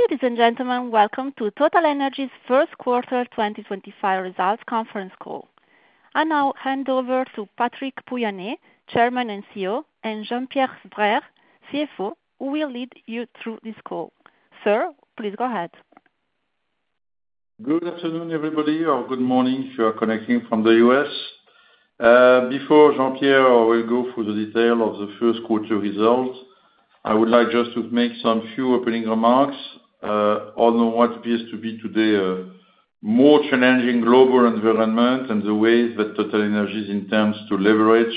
Ladies and gentlemen, welcome to TotalEnergies' first quarter 2025 results conference call. I now hand over to Patrick Pouyanné, Chairman and CEO, and Jean-Pierre Sbraire, CFO, who will lead you through this call. Sir, please go ahead. Good afternoon, everybody, or good morning if you are connecting from the U.S.. Before Jean-Pierre, I will go through the detail of the first quarter results. I would like just to make some few opening remarks. Although what appears to be today, more challenging global environment and the ways that TotalEnergies intends to leverage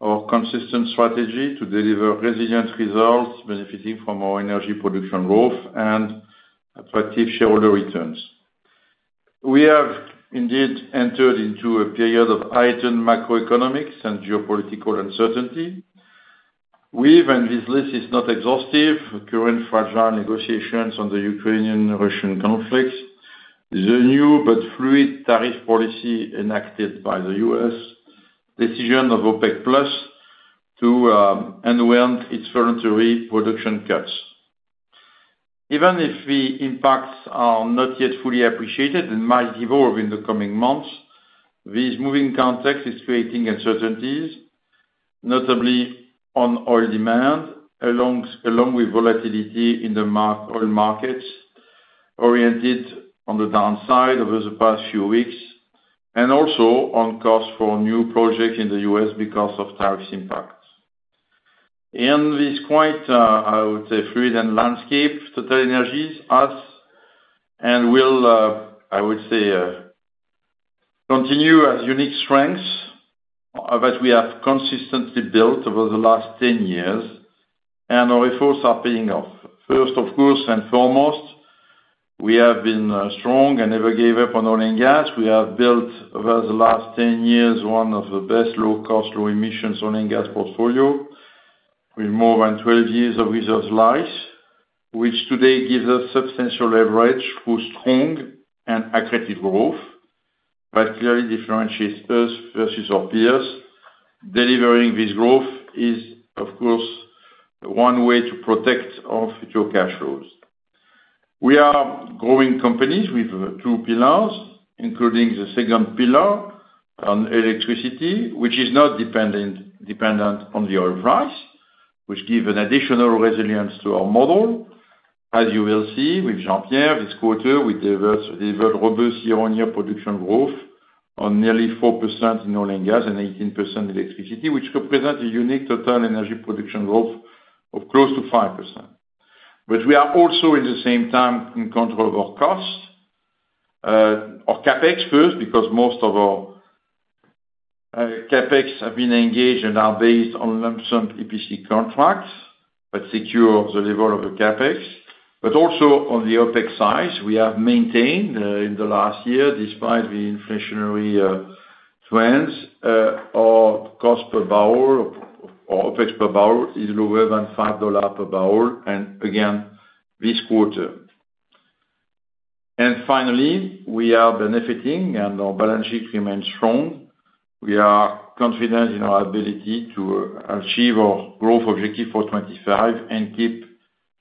our consistent strategy to deliver resilient results, benefiting from our energy production growth and attractive shareholder returns. We have indeed entered into a period of heightened macroeconomics and geopolitical uncertainty. We've, and this list is not exhaustive, current fragile negotiations on the Ukrainian-Russian conflict, the new but fluid tariff policy enacted by the U.S., decision of OPEC+ to unwind its voluntary production cuts. Even if the impacts are not yet fully appreciated and might evolve in the coming months, this moving context is creating uncertainties, notably on oil demand, along with volatility in the oil markets, oriented on the downside over the past few weeks, and also on costs for new projects in the U.S. because of tariffs' impacts. In this quite, I would say, fluid landscape, TotalEnergies has and will, I would say, continue as unique strengths, that we have consistently built over the last 10 years, and our efforts are paying off. First, of course, and foremost, we have been strong and never gave up on oil and gas. We have built over the last 10 years one of the best low-cost, low-emissions oil and gas portfolios with more than 12 years of reserves life, which today gives us substantial leverage for strong and accretive growth that clearly differentiates us versus our peers. Delivering this growth is, of course, one way to protect our future cash flows. We are growing companies with two pillars, including the second pillar, electricity, which is not dependent on the oil price, which gives an additional resilience to our model. As you will see with Jean-Pierre, this quarter, we delivered robust year-on-year production growth of nearly 4% in oil and gas and 18% electricity, which represents a unique total energy production growth of close to 5%. We are also, at the same time, in control of our costs, our CapEx first, because most of our CapEx have been engaged and are based on lump sum EPC contracts that secure the level of the CapEx. Also on the OpEx side, we have maintained, in the last year, despite the inflationary trends, our cost per barrel, our OpEx per barrel is lower than $5 per barrel, and again, this quarter. Finally, we are benefiting, and our balance sheet remains strong. We are confident in our ability to achieve our growth objective for 2025 and keep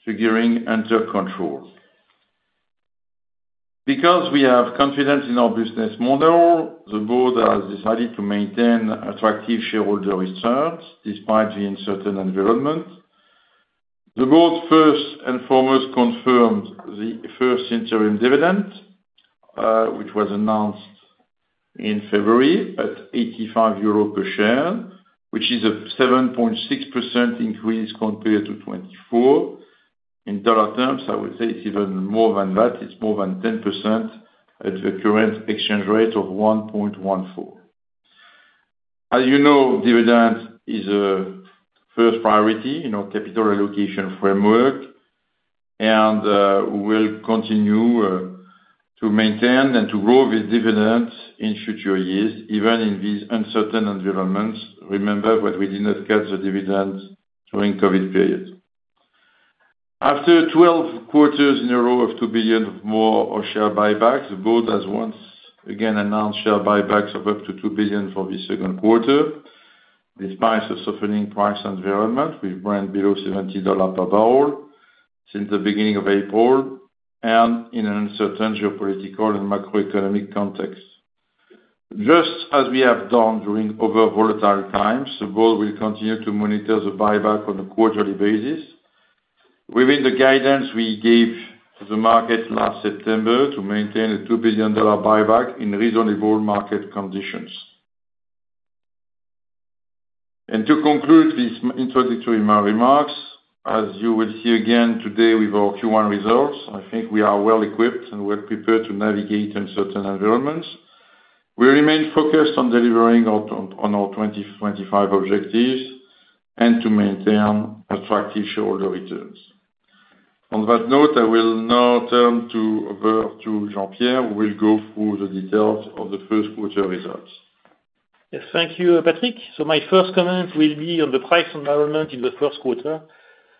triggering under control. Because we have confidence in our business model, the board has decided to maintain attractive shareholder returns despite the uncertain environment. The board first and foremost confirmed the first interim dividend, which was announced in February at 0.85 euro per share, which is a 7.6% increase compared to 2024. In dollar terms, I would say it's even more than that. It's more than 10% at the current exchange rate of 1.14. As you know, dividend is a first priority in our capital allocation framework, and we will continue to maintain and to grow with dividends in future years, even in these uncertain environments. Remember that we did not cut the dividends during the COVID period. After 12 quarters in a row of $2 billion or more of share buybacks, the board has once again announced share buybacks of up to $2 billion for this second quarter, despite the softening price environment, which ran below $70 per barrel since the beginning of April, and in an uncertain geopolitical and macroeconomic context. Just as we have done during over-volatile times, the board will continue to monitor the buyback on a quarterly basis within the guidance we gave to the market last September to maintain a $2 billion buyback in reasonable market conditions. To conclude these introductory remarks, as you will see again today with our Q1 results, I think we are well equipped and well prepared to navigate uncertain environments. We remain focused on delivering on our 2025 objectives and to maintain attractive shareholder returns. On that note, I will now turn over to Jean-Pierre, who will go through the details of the first quarter results. Yes, thank you, Patrick. My first comment will be on the price environment in the first quarter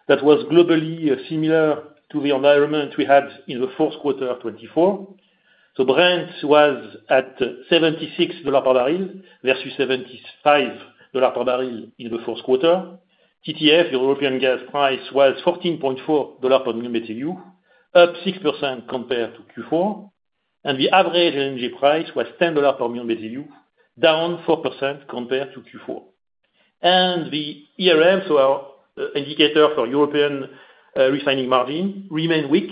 that was globally similar to the environment we had in the fourth quarter 2024. Brent was at $76 per barrel versus $75 per barrel in the fourth quarter. TTF, European gas price, was $14.4 per mL cube, up 6% compared to Q4. The average energy price was $10 per mL cube, down 4% compared to Q4. Our indicator for European refining margin remained weak,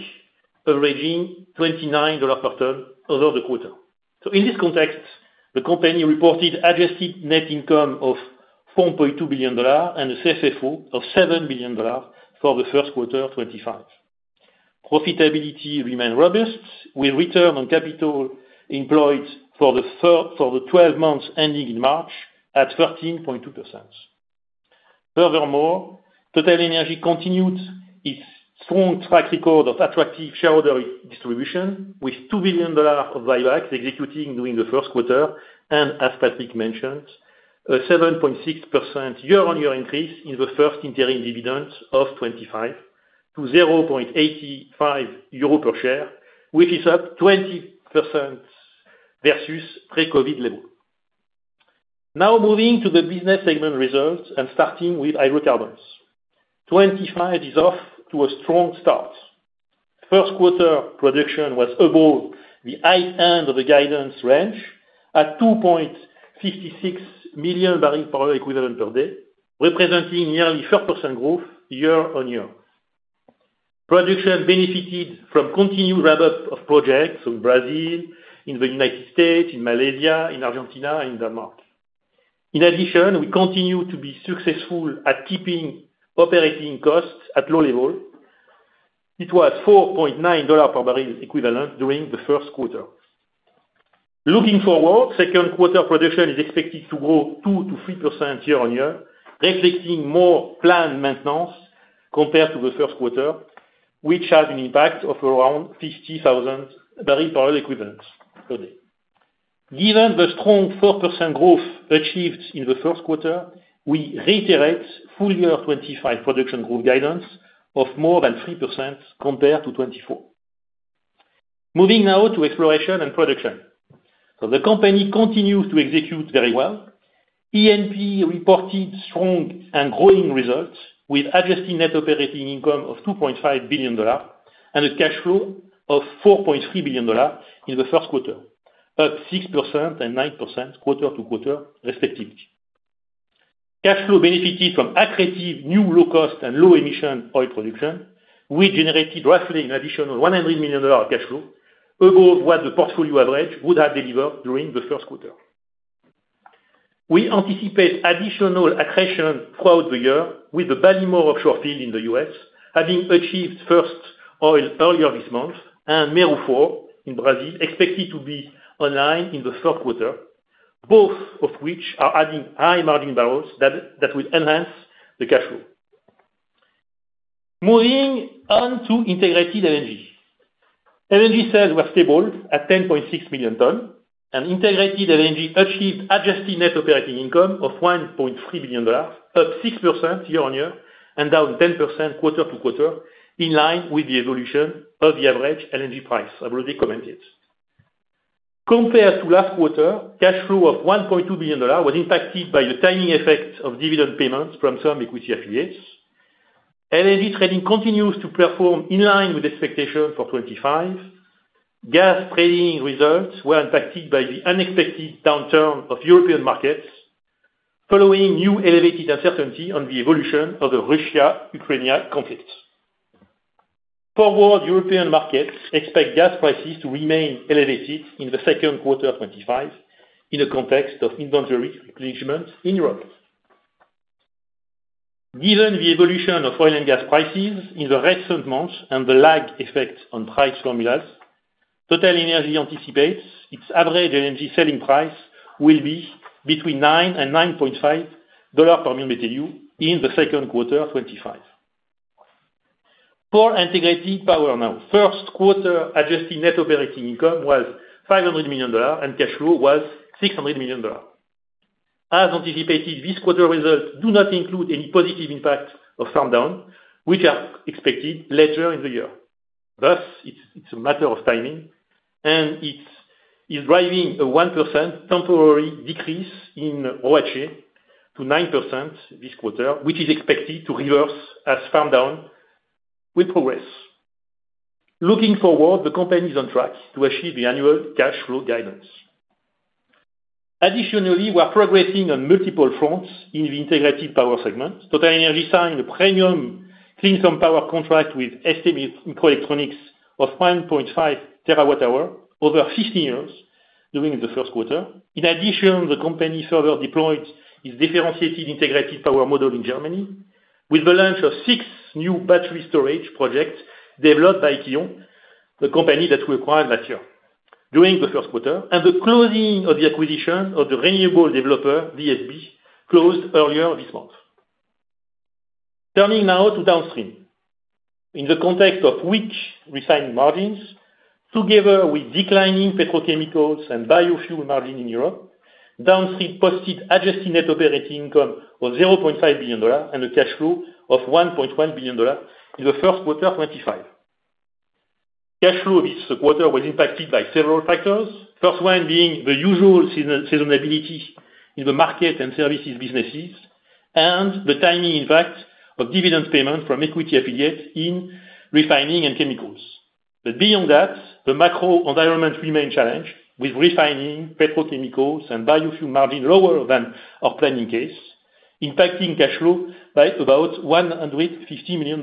averaging $29 per ton over the quarter. In this context, the company reported adjusted net income of $4.2 billion and a CFO of $7 billion for the first quarter 2025. Profitability remained robust, with return on capital employed for the 12 months ending in March at 13.2%. Furthermore, TotalEnergies continued its strong track record of attractive shareholder distribution, with $2 billion of buybacks executing during the first quarter, and, as Patrick mentioned, a 7.6% year-on-year increase in the first interim dividends of 2025 to 0.85 euro per share, which is up 20% versus pre-COVID level. Now moving to the business segment results and starting with hydrocarbons. 2025 is off to a strong start. First quarter production was above the high end of the guidance range at 2.56 million barrels per equivalent per day, representing nearly 4% growth year-on-year. Production benefited from continued ramp-up of projects in Brazil, in the United States, in Malaysia, in Argentina, and in Denmark. In addition, we continue to be successful at keeping operating costs at low level. It was $4.9 per barrel equivalent during the first quarter. Looking forward, second quarter production is expected to grow 2%-3% year-on-year, reflecting more planned maintenance compared to the first quarter, which had an impact of around 50,000 barrels per equivalent per day. Given the strong 4% growth achieved in the first quarter, we reiterate full year 2025 production growth guidance of more than 3% compared to 2024. Moving now to exploration and production. The company continues to execute very well. E&P reported strong and growing results, with adjusted net operating income of $2.5 billion and a cash flow of $4.3 billion in the first quarter, up 6% and 9% quarter to quarter, respectively. Cash flow benefited from accretive new low-cost and low-emission oil production, which generated roughly an additional $100 million of cash flow above what the portfolio average would have delivered during the first quarter. We anticipate additional accretion throughout the year, with the Ballymore offshore field in the U.S. having achieved first oil earlier this month, and Mero-4 in Brazil expected to be online in the third quarter, both of which are adding high-margin barrels that will enhance the cash flow. Moving on to integrated LNG. LNG sales were stable at 10.6 million tonnes, and integrated LNG achieved adjusted net operating income of $1.3 billion, up 6% year-on-year and down 10% quarter to quarter, in line with the evolution of the average LNG price I have already commented. Compared to last quarter, cash flow of $1.2 billion was impacted by the timing effect of dividend payments from some equity affiliates. LNG trading continues to perform in line with expectations for 2025. Gas trading results were impacted by the unexpected downturn of European markets, following new elevated uncertainty on the evolution of the Russia-Ukraine conflict. Forward European markets expect gas prices to remain elevated in the second quarter of 2025 in the context of inventory replenishment in Europe. Given the evolution of oil and gas prices in the recent months and the lag effect on price formulas, TotalEnergies anticipates its average energy selling price will be between $9 and $9.5 per mL cube in the second quarter of 2025. For integrated power now, first quarter adjusted net operating income was $500 million, and cash flow was $600 million. As anticipated, this quarter results do not include any positive impact of farm down, which are expected later in the year. Thus, it's a matter of timing, and it's driving a 1% temporary decrease in ROCE to 9% this quarter, which is expected to reverse as farm down will progress. Looking forward, the company is on track to achieve the annual cash flow guidance. Additionally, we are progressing on multiple fronts in the integrated power segment. TotalEnergies signed a premium clean-term power contract with STMicroelectronics of 1.5 TWh over 15 years during the first quarter. In addition, the company further deployed its differentiated integrated power model in Germany, with the launch of six new battery storage projects developed by Kyon, the company that we acquired last year during the first quarter, and the closing of the acquisition of the renewable developer VSB, closed earlier this month. Turning now to downstream. In the context of weak refining margins, together with declining petrochemicals and biofuels margins in Europe, downstream posted adjusted net operating income of $0.5 billion and a cash flow of $1.1 billion in the first quarter 2025. Cash flow this quarter was impacted by several factors, first one being the usual seasonality in the market and services businesses, and the timing impact of dividend payment from equity affiliates in refining and chemicals. Beyond that, the macro environment remained challenged, with refining, petrochemicals, and biofuels margins lower than our planning case, impacting cash flow by about $150 million.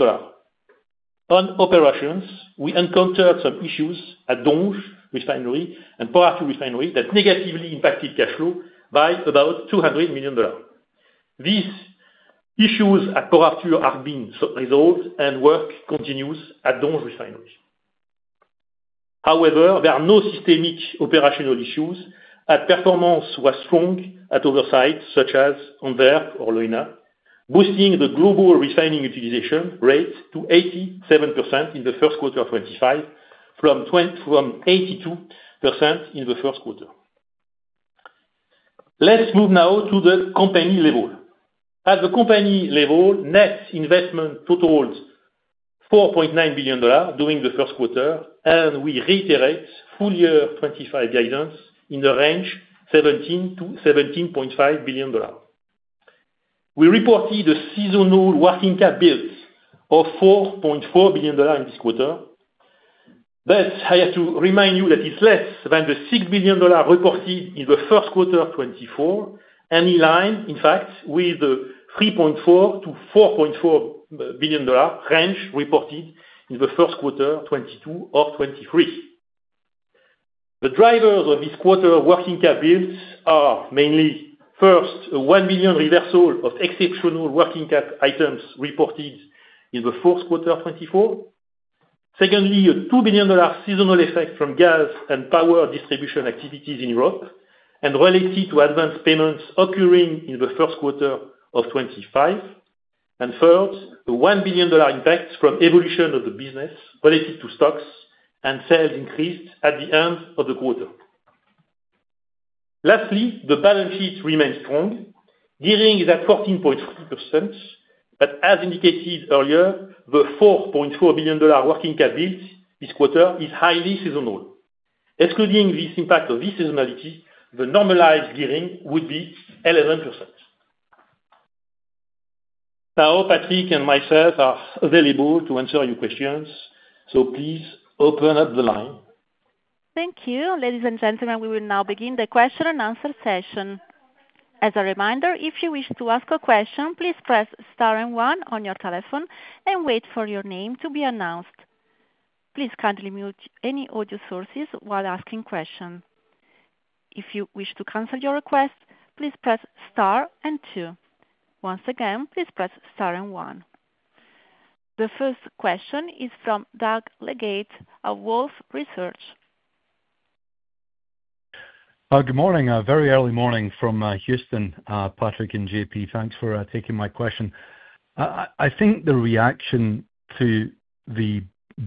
On operations, we encountered some issues at Donges Refinery and Port Arthur LNG that negatively impacted cash flow by about $200 million. These issues at Port Arthur have been resolved, and work continues at Donges Refinery. However, there are no systemic operational issues, and performance was strong at other sites such as Antwerp or Leuna, boosting the global refining utilization rate to 87% in the first quarter of 2025, from 82% in the first quarter. Let's move now to the company level. At the company level, net investment totaled $4.9 billion during the first quarter, and we reiterate full year 2025 guidance in the range $17 billion-$17.5 billion. We reported a seasonal working capital build of $4.4 billion in this quarter, but I have to remind you that it's less than the $6 billion reported in the first quarter 2024, and in line, in fact, with the $3.4 billion-$4.4 billion range reported in the first quarter 2022 or 2023. The drivers of this quarter working capital builds are mainly, first, a $1 billion reversal of exceptional working capital items reported in the fourth quarter 2024. Secondly, a $2 billion seasonal effect from gas and power distribution activities in Europe and related to advance payments occurring in the first quarter of 2025. Third, a $1 billion impact from evolution of the business related to stocks and sales increased at the end of the quarter. Lastly, the balance sheet remains strong, gearing is at 14.3%, but as indicated earlier, the $4.4 billion working capital build this quarter is highly seasonal. Excluding this impact of this seasonality, the normalized gearing would be 11%. Now, Patrick and myself are available to answer your questions, so please open up the line. Thank you, ladies and gentlemen. We will now begin the question-and-answer session. As a reminder, if you wish to ask a question, please press star and one on your telephone and wait for your name to be announced. Please kindly mute any audio sources while asking questions. If you wish to cancel your request, please press star and two. Once again, please press star and one. The first question is from Doug Leggate of Wolfe Research. Good morning. Very early morning from Houston, Patrick and JP. Thanks for taking my question. I think the reaction to the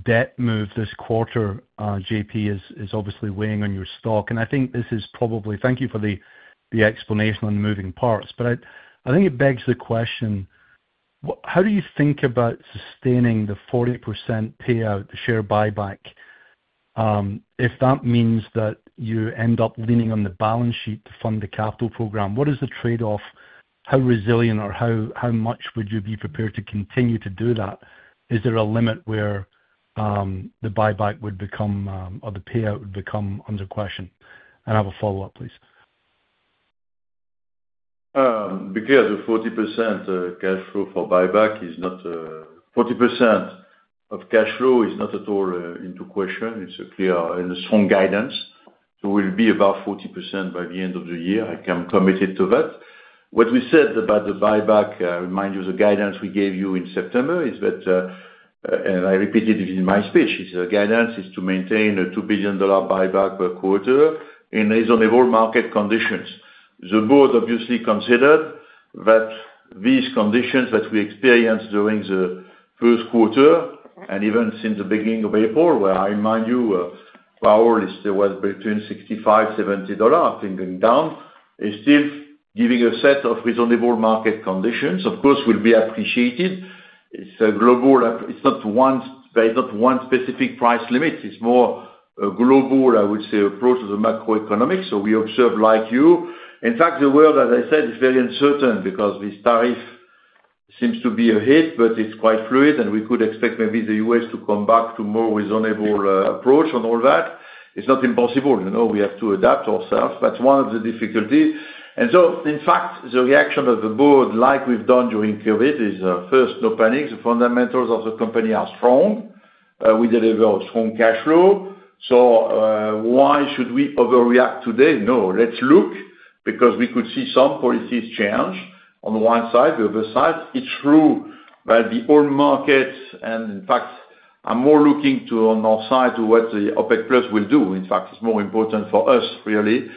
debt move this quarter, JP, is obviously weighing on your stock. I think this is probably thank you for the explanation on the moving parts, but I think it begs the question, how do you think about sustaining the 40% payout, the share buyback, if that means that you end up leaning on the balance sheet to fund the capital program? What is the trade-off? How resilient or how much would you be prepared to continue to do that? Is there a limit where the buyback would become, or the payout would become under question? I have a follow-up, please. Because the 40% cash flow for buyback is not, 40% of cash flow is not at all into question. It is a clear and a strong guidance. We will be about 40% by the end of the year. I can commit to that. What we said about the buyback, I remind you, the guidance we gave you in September is that, and I repeated it in my speech, the guidance is to maintain a $2 billion buyback per quarter in reasonable market conditions. The board obviously considered that these conditions that we experienced during the first quarter and even since the beginning of April, where I remind you, power is still, was between $65-$70, thinking down, is still giving a set of reasonable market conditions. Of course, it will be appreciated. It is a global, it is not one, there is not one specific price limit. It's more a global, I would say, approach to the macroeconomics. We observe, like you. In fact, the world, as I said, is very uncertain because this tariff seems to be a hit, but it's quite fluid, and we could expect maybe the U.S. to come back to more reasonable, approach on all that. It's not impossible. You know, we have to adapt ourselves. That's one of the difficulties. In fact, the reaction of the board, like we've done during COVID, is, first, no panic. The fundamentals of the company are strong. We deliver a strong cash flow. Why should we overreact today? No, let's look because we could see some policies change on the one side, the other side. It's true that the old markets and, in fact, are more looking to on our side to what the OPEC+ will do. In fact, it's more important for us, really,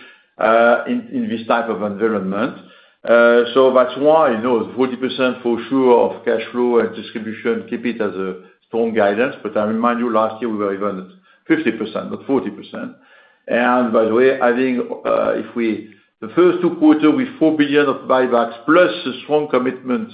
in this type of environment. That's why, you know, the 40% for sure of cash flow and distribution, keep it as a strong guidance. I remind you, last year, we were even at 50%, not 40%. By the way, I think, if we the first two quarter with $4 billion of buybacks plus a strong commitment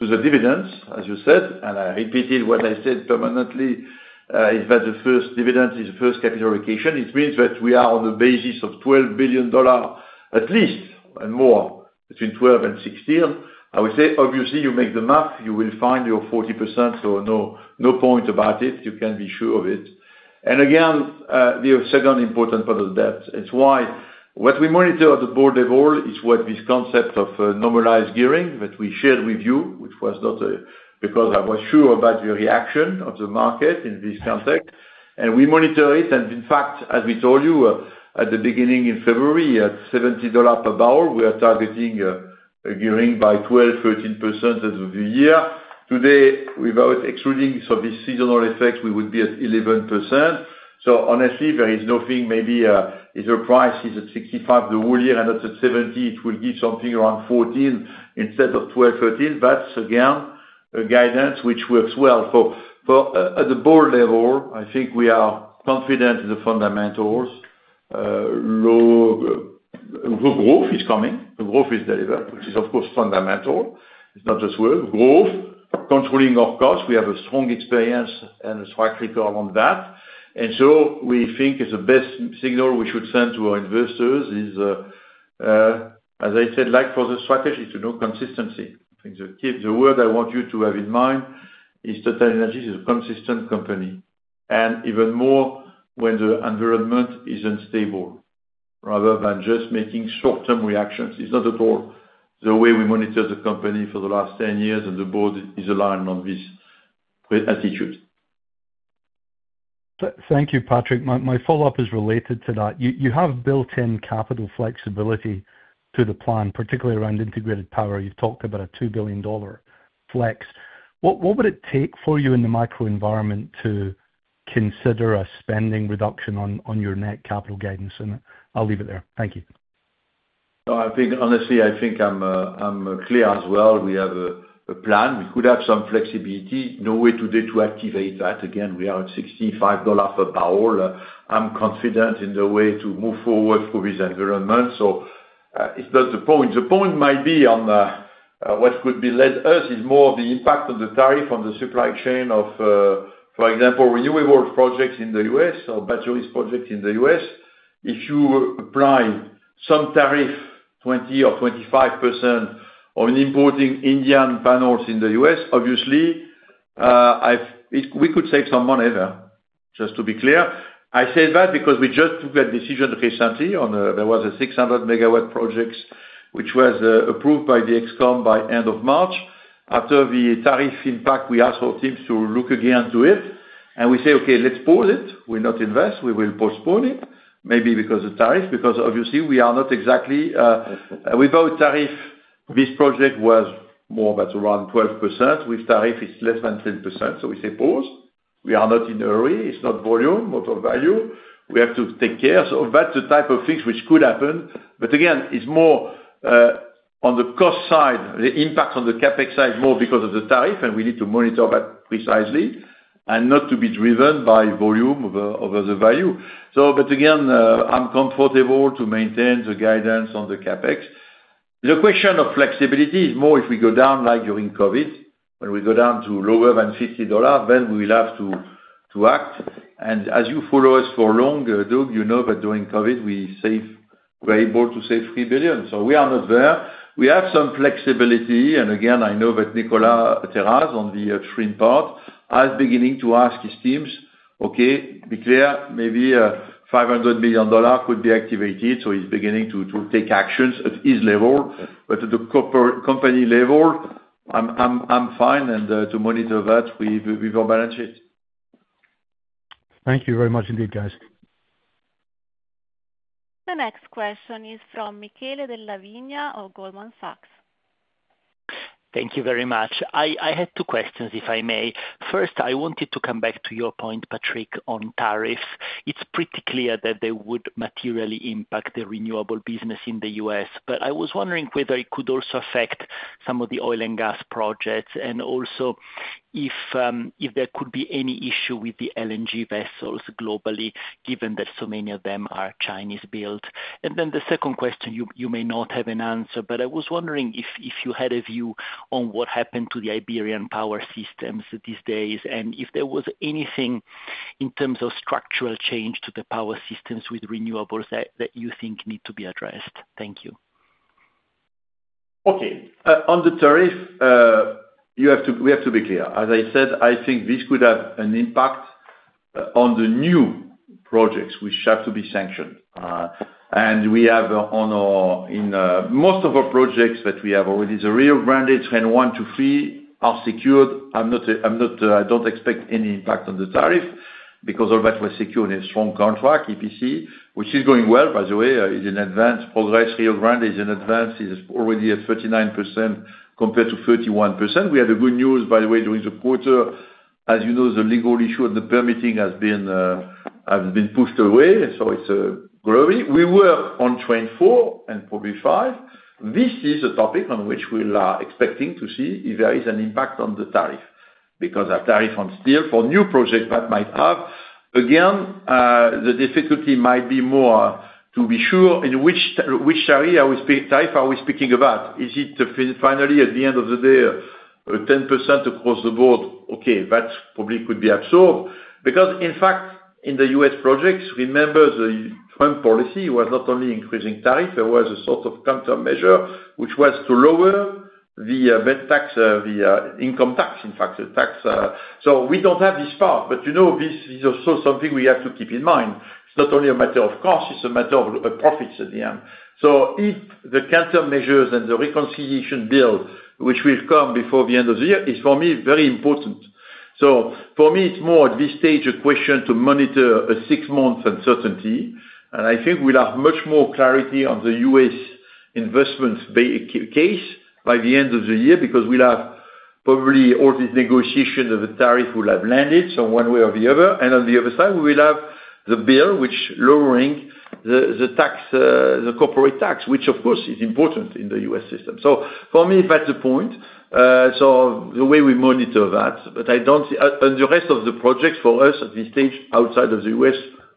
to the dividends, as you said, and I repeated what I said permanently, is that the first dividend is the first capital allocation. It means that we are on the basis of $12 billion at least and more between $12 billion and $16 billion. I would say, obviously, you make the math, you will find your 40%. No point about it. You can be sure of it. The second important part of that, it's why what we monitor at the board level is what this concept of normalized gearing that we shared with you, which was not a because I was sure about your reaction of the market in this context. We monitor it. In fact, as we told you, at the beginning in February, at $70 per barrel, we are targeting a gearing by 12%-13% over the year. Today, without excluding some of these seasonal effects, we would be at 11%. Honestly, there is nothing maybe, if the price is at $65 the whole year and not at $70, it will give something around 14% instead of 12%-13%. That is, again, a guidance which works well. For, for, at the board level, I think we are confident in the fundamentals. Low, the growth is coming. The growth is delivered, which is, of course, fundamental. It's not just work. Growth, controlling our costs. We have a strong experience and a track record on that. We think it's the best signal we should send to our investors is, as I said, like for the strategy, to know consistency. I think the key, the word I want you to have in mind is TotalEnergies is a consistent company. Even more when the environment is unstable, rather than just making short-term reactions. It's not at all the way we monitor the company for the last 10 years, and the board is aligned on this attitude. Thank you, Patrick. My follow-up is related to that. You have built-in capital flexibility to the plan, particularly around integrated power. You've talked about a $2 billion flex. What would it take for you in the microenvironment to consider a spending reduction on your net capital guidance? I'll leave it there. Thank you. No, I think honestly, I think I'm clear as well. We have a plan. We could have some flexibility. No way today to activate that. Again, we are at $65 per barrel. I'm confident in the way to move forward for this environment. It's not the point. The point might be on what could be led us is more the impact on the tariff on the supply chain of, for example, renewable projects in the U.S. or batteries projects in the U.S.. If you apply some tariff, 20% or 25% on importing Indian panels in the U.S., obviously, we could save some money there, just to be clear. I say that because we just took a decision recently on, there was a 600 megawatt project, which was approved by the ExCom by end of March. After the tariff impact, we asked our teams to look again to it, and we say, "Okay, let's pause it. We'll not invest. We will postpone it," maybe because of tariff, because obviously, we are not exactly, without tariff, this project was more or less around 12%. With tariff, it's less than 10%. We say pause. We are not in a hurry. It's not volume, not of value. We have to take care. That's the type of things which could happen. Again, it's more, on the cost side, the impact on the CapEx side is more because of the tariff, and we need to monitor that precisely and not to be driven by volume over, over the value. Again, I'm comfortable to maintain the guidance on the CapEx. The question of flexibility is more if we go down like during COVID, when we go down to lower than $50, then we will have to act. As you follow us for long, Doug, you know that during COVID, we were able to save $3 billion. We are not there. We have some flexibility. Again, I know that Nicolas Terraz on the downstream part has beginning to ask his teams, "Okay, be clear. Maybe a $500 million could be activated." He is beginning to take actions at his level. At the corporate company level, I am fine. To monitor that, we will balance it. Thank you very much indeed, guys. The next question is from Michele Della Vigna of Goldman Sachs. Thank you very much. I had two questions, if I may. First, I wanted to come back to your point, Patrick, on tariffs. It's pretty clear that they would materially impact the renewable business in the U.S., but I was wondering whether it could also affect some of the oil and gas projects and also if there could be any issue with the LNG vessels globally, given that so many of them are Chinese-built. The second question, you may not have an answer, but I was wondering if you had a view on what happened to the Iberian power systems these days and if there was anything in terms of structural change to the power systems with renewables that you think need to be addressed. Thank you. Okay. On the tariff, you have to, we have to be clear. As I said, I think this could have an impact on the new projects which have to be sanctioned. We have, in most of our projects that we have already, the Rio Grande and one to three are secured. I'm not, I don't expect any impact on the tariff because all that was secured in a strong contract, EPC, which is going well, by the way, is in advanced progress. Rio Grande is in advance. It is already at 39% compared to 31%. We have the good news, by the way, during the quarter, as you know, the legal issue of the permitting has been pushed away. It is growing. We were on train four and probably five. This is a topic on which we'll, expecting to see if there is an impact on the tariff because our tariff on steel for new projects that might have. Again, the difficulty might be more, to be sure in which, which tariff are we speaking about? Is it finally at the end of the day, 10% across the board? Okay, that probably could be absorbed because, in fact, in the U.S. projects, remember the Trump policy, it was not only increasing tariff. There was a sort of countermeasure which was to lower the VAT tax, the income tax, in fact, the tax, so we do not have this part. You know, this is also something we have to keep in mind. It is not only a matter of cost. It is a matter of profits at the end. If the countermeasures and the reconciliation bill, which will come before the end of the year, is for me very important. For me, it's more at this stage a question to monitor a six-month uncertainty. I think we'll have much more clarity on the U.S. investment case by the end of the year, because we'll have probably all these negotiations of the tariff will have landed some one way or the other. On the other side, we will have the bill which lowering the tax, the corporate tax, which, of course, is important in the U.S. system. For me, that's the point. The way we monitor that, but I don't see, and the rest of the projects for us at this stage outside of the U.S.,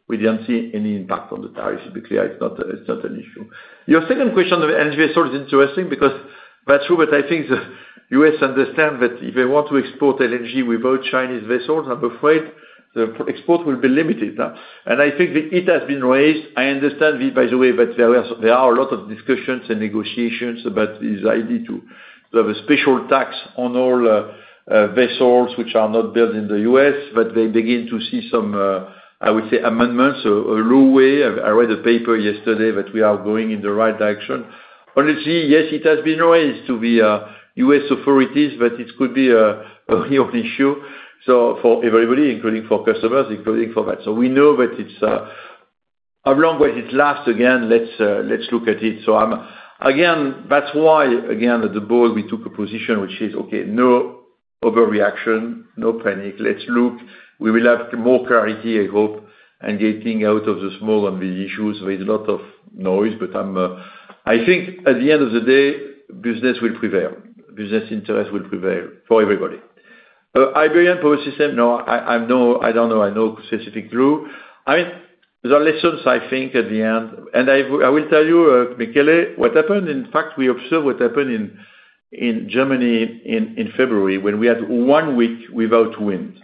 we didn't see any impact on the tariff. To be clear, it's not an issue. Your second question of LNG vessel is interesting because that's true, but I think the U.S. understands that if they want to export LNG without Chinese vessels, I'm afraid the export will be limited. I think it has been raised. I understand, by the way, there are a lot of discussions and negotiations about this idea to have a special tax on all vessels which are not built in the U.S., but they begin to see some, I would say, amendments, a low way. I read a paper yesterday that we are going in the right direction. Honestly, yes, it has been raised to the U.S. authorities, but it could be a real issue for everybody, including for customers, including for that. We know that it's, how long will it last again? Let's look at it. I'm again, that's why, again, at the board, we took a position which is, okay, no overreaction, no panic. Let's look. We will have more clarity, I hope, and getting out of the smog on these issues. There is a lot of noise, but I think at the end of the day, business will prevail. Business interest will prevail for everybody. Iberian Power System, no, I don't know. I know specific true. I mean, the lessons I think at the end, and I will tell you, Michele, what happened, in fact, we observed what happened in Germany in February when we had one week without wind.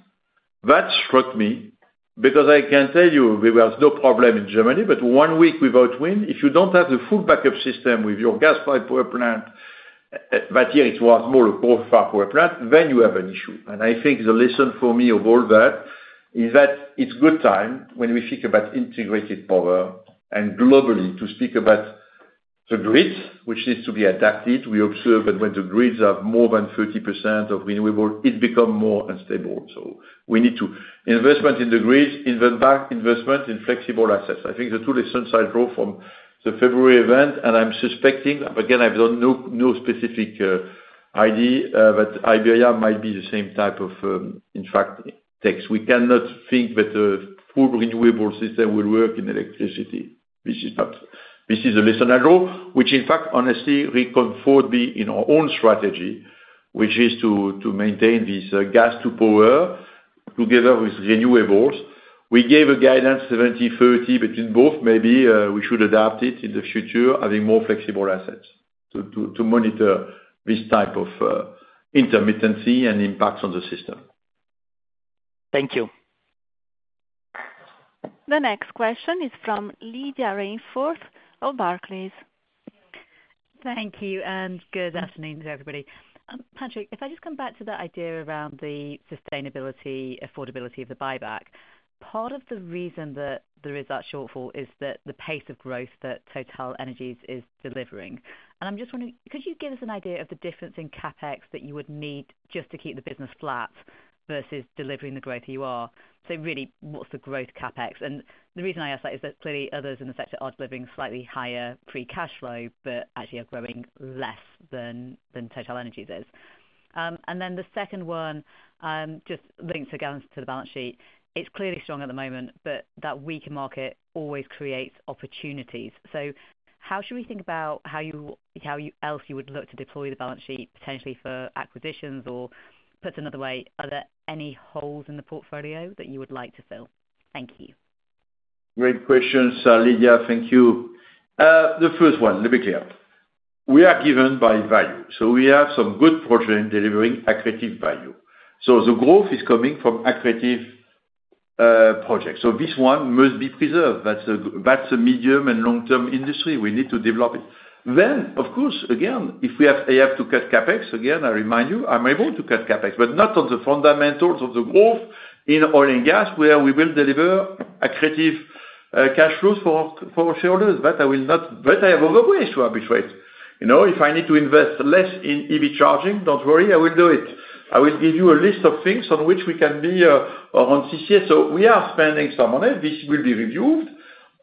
That struck me because I can tell you there was no problem in Germany, but one week without wind, if you don't have the full backup system with your gas pipe power plant, that year, it was more a coal-fired power plant, then you have an issue. I think the lesson for me of all that is that it's good time when we think about integrated power and globally to speak about the grid, which needs to be adapted. We observed that when the grids have more than 30% of renewable, it becomes more unstable. We need to investment in the grid, invest back investment in flexible assets. I think the two lessons I drew from the February event, and I'm suspecting, but again, I don't know, no specific idea, but Iberia might be the same type of, in fact, text. We cannot think that a full renewable system will work in electricity. This is not, this is a lesson I drew, which, in fact, honestly, reconfort me in our own strategy, which is to maintain this gas-to-power together with renewables. We gave a guidance 70/30 between both. Maybe we should adapt it in the future, having more flexible assets to monitor this type of intermittency and impacts on the system. Thank you. The next question is from Lydia Rainforth of Barclays. Thank you. Good afternoon to everybody. Patrick, if I just come back to that idea around the sustainability, affordability of the buyback, part of the reason that there is that shortfall is that the pace of growth that TotalEnergies is delivering. I'm just wondering, could you give us an idea of the difference in CapEx that you would need just to keep the business flat versus delivering the growth you are? Really, what's the growth CapEx? The reason I ask that is that clearly others in the sector are delivering slightly higher free cash flow, but actually are growing less than TotalEnergies is. The second one just links again to the balance sheet. It's clearly strong at the moment, but that weaker market always creates opportunities. How should we think about how you how else you would look to deploy the balance sheet potentially for acquisitions or put another way, are there any holes in the portfolio that you would like to fill? Thank you. Great questions, Lydia. Thank you. The first one, let me be clear. We are given by value. We have some good projects delivering accretive value. The growth is coming from accretive projects. This one must be preserved. That is a medium and long-term industry. We need to develop it. Of course, again, if I have to cut CapEx, again, I remind you, I am able to cut CapEx, but not on the fundamentals of the growth in oil and gas where we will deliver accretive cash flows for shareholders. I will not, but I have other ways to arbitrate. You know, if I need to invest less in EV charging, do not worry, I will do it. I will give you a list of things on which we can be, or on CCS. We are spending some on it. This will be reviewed.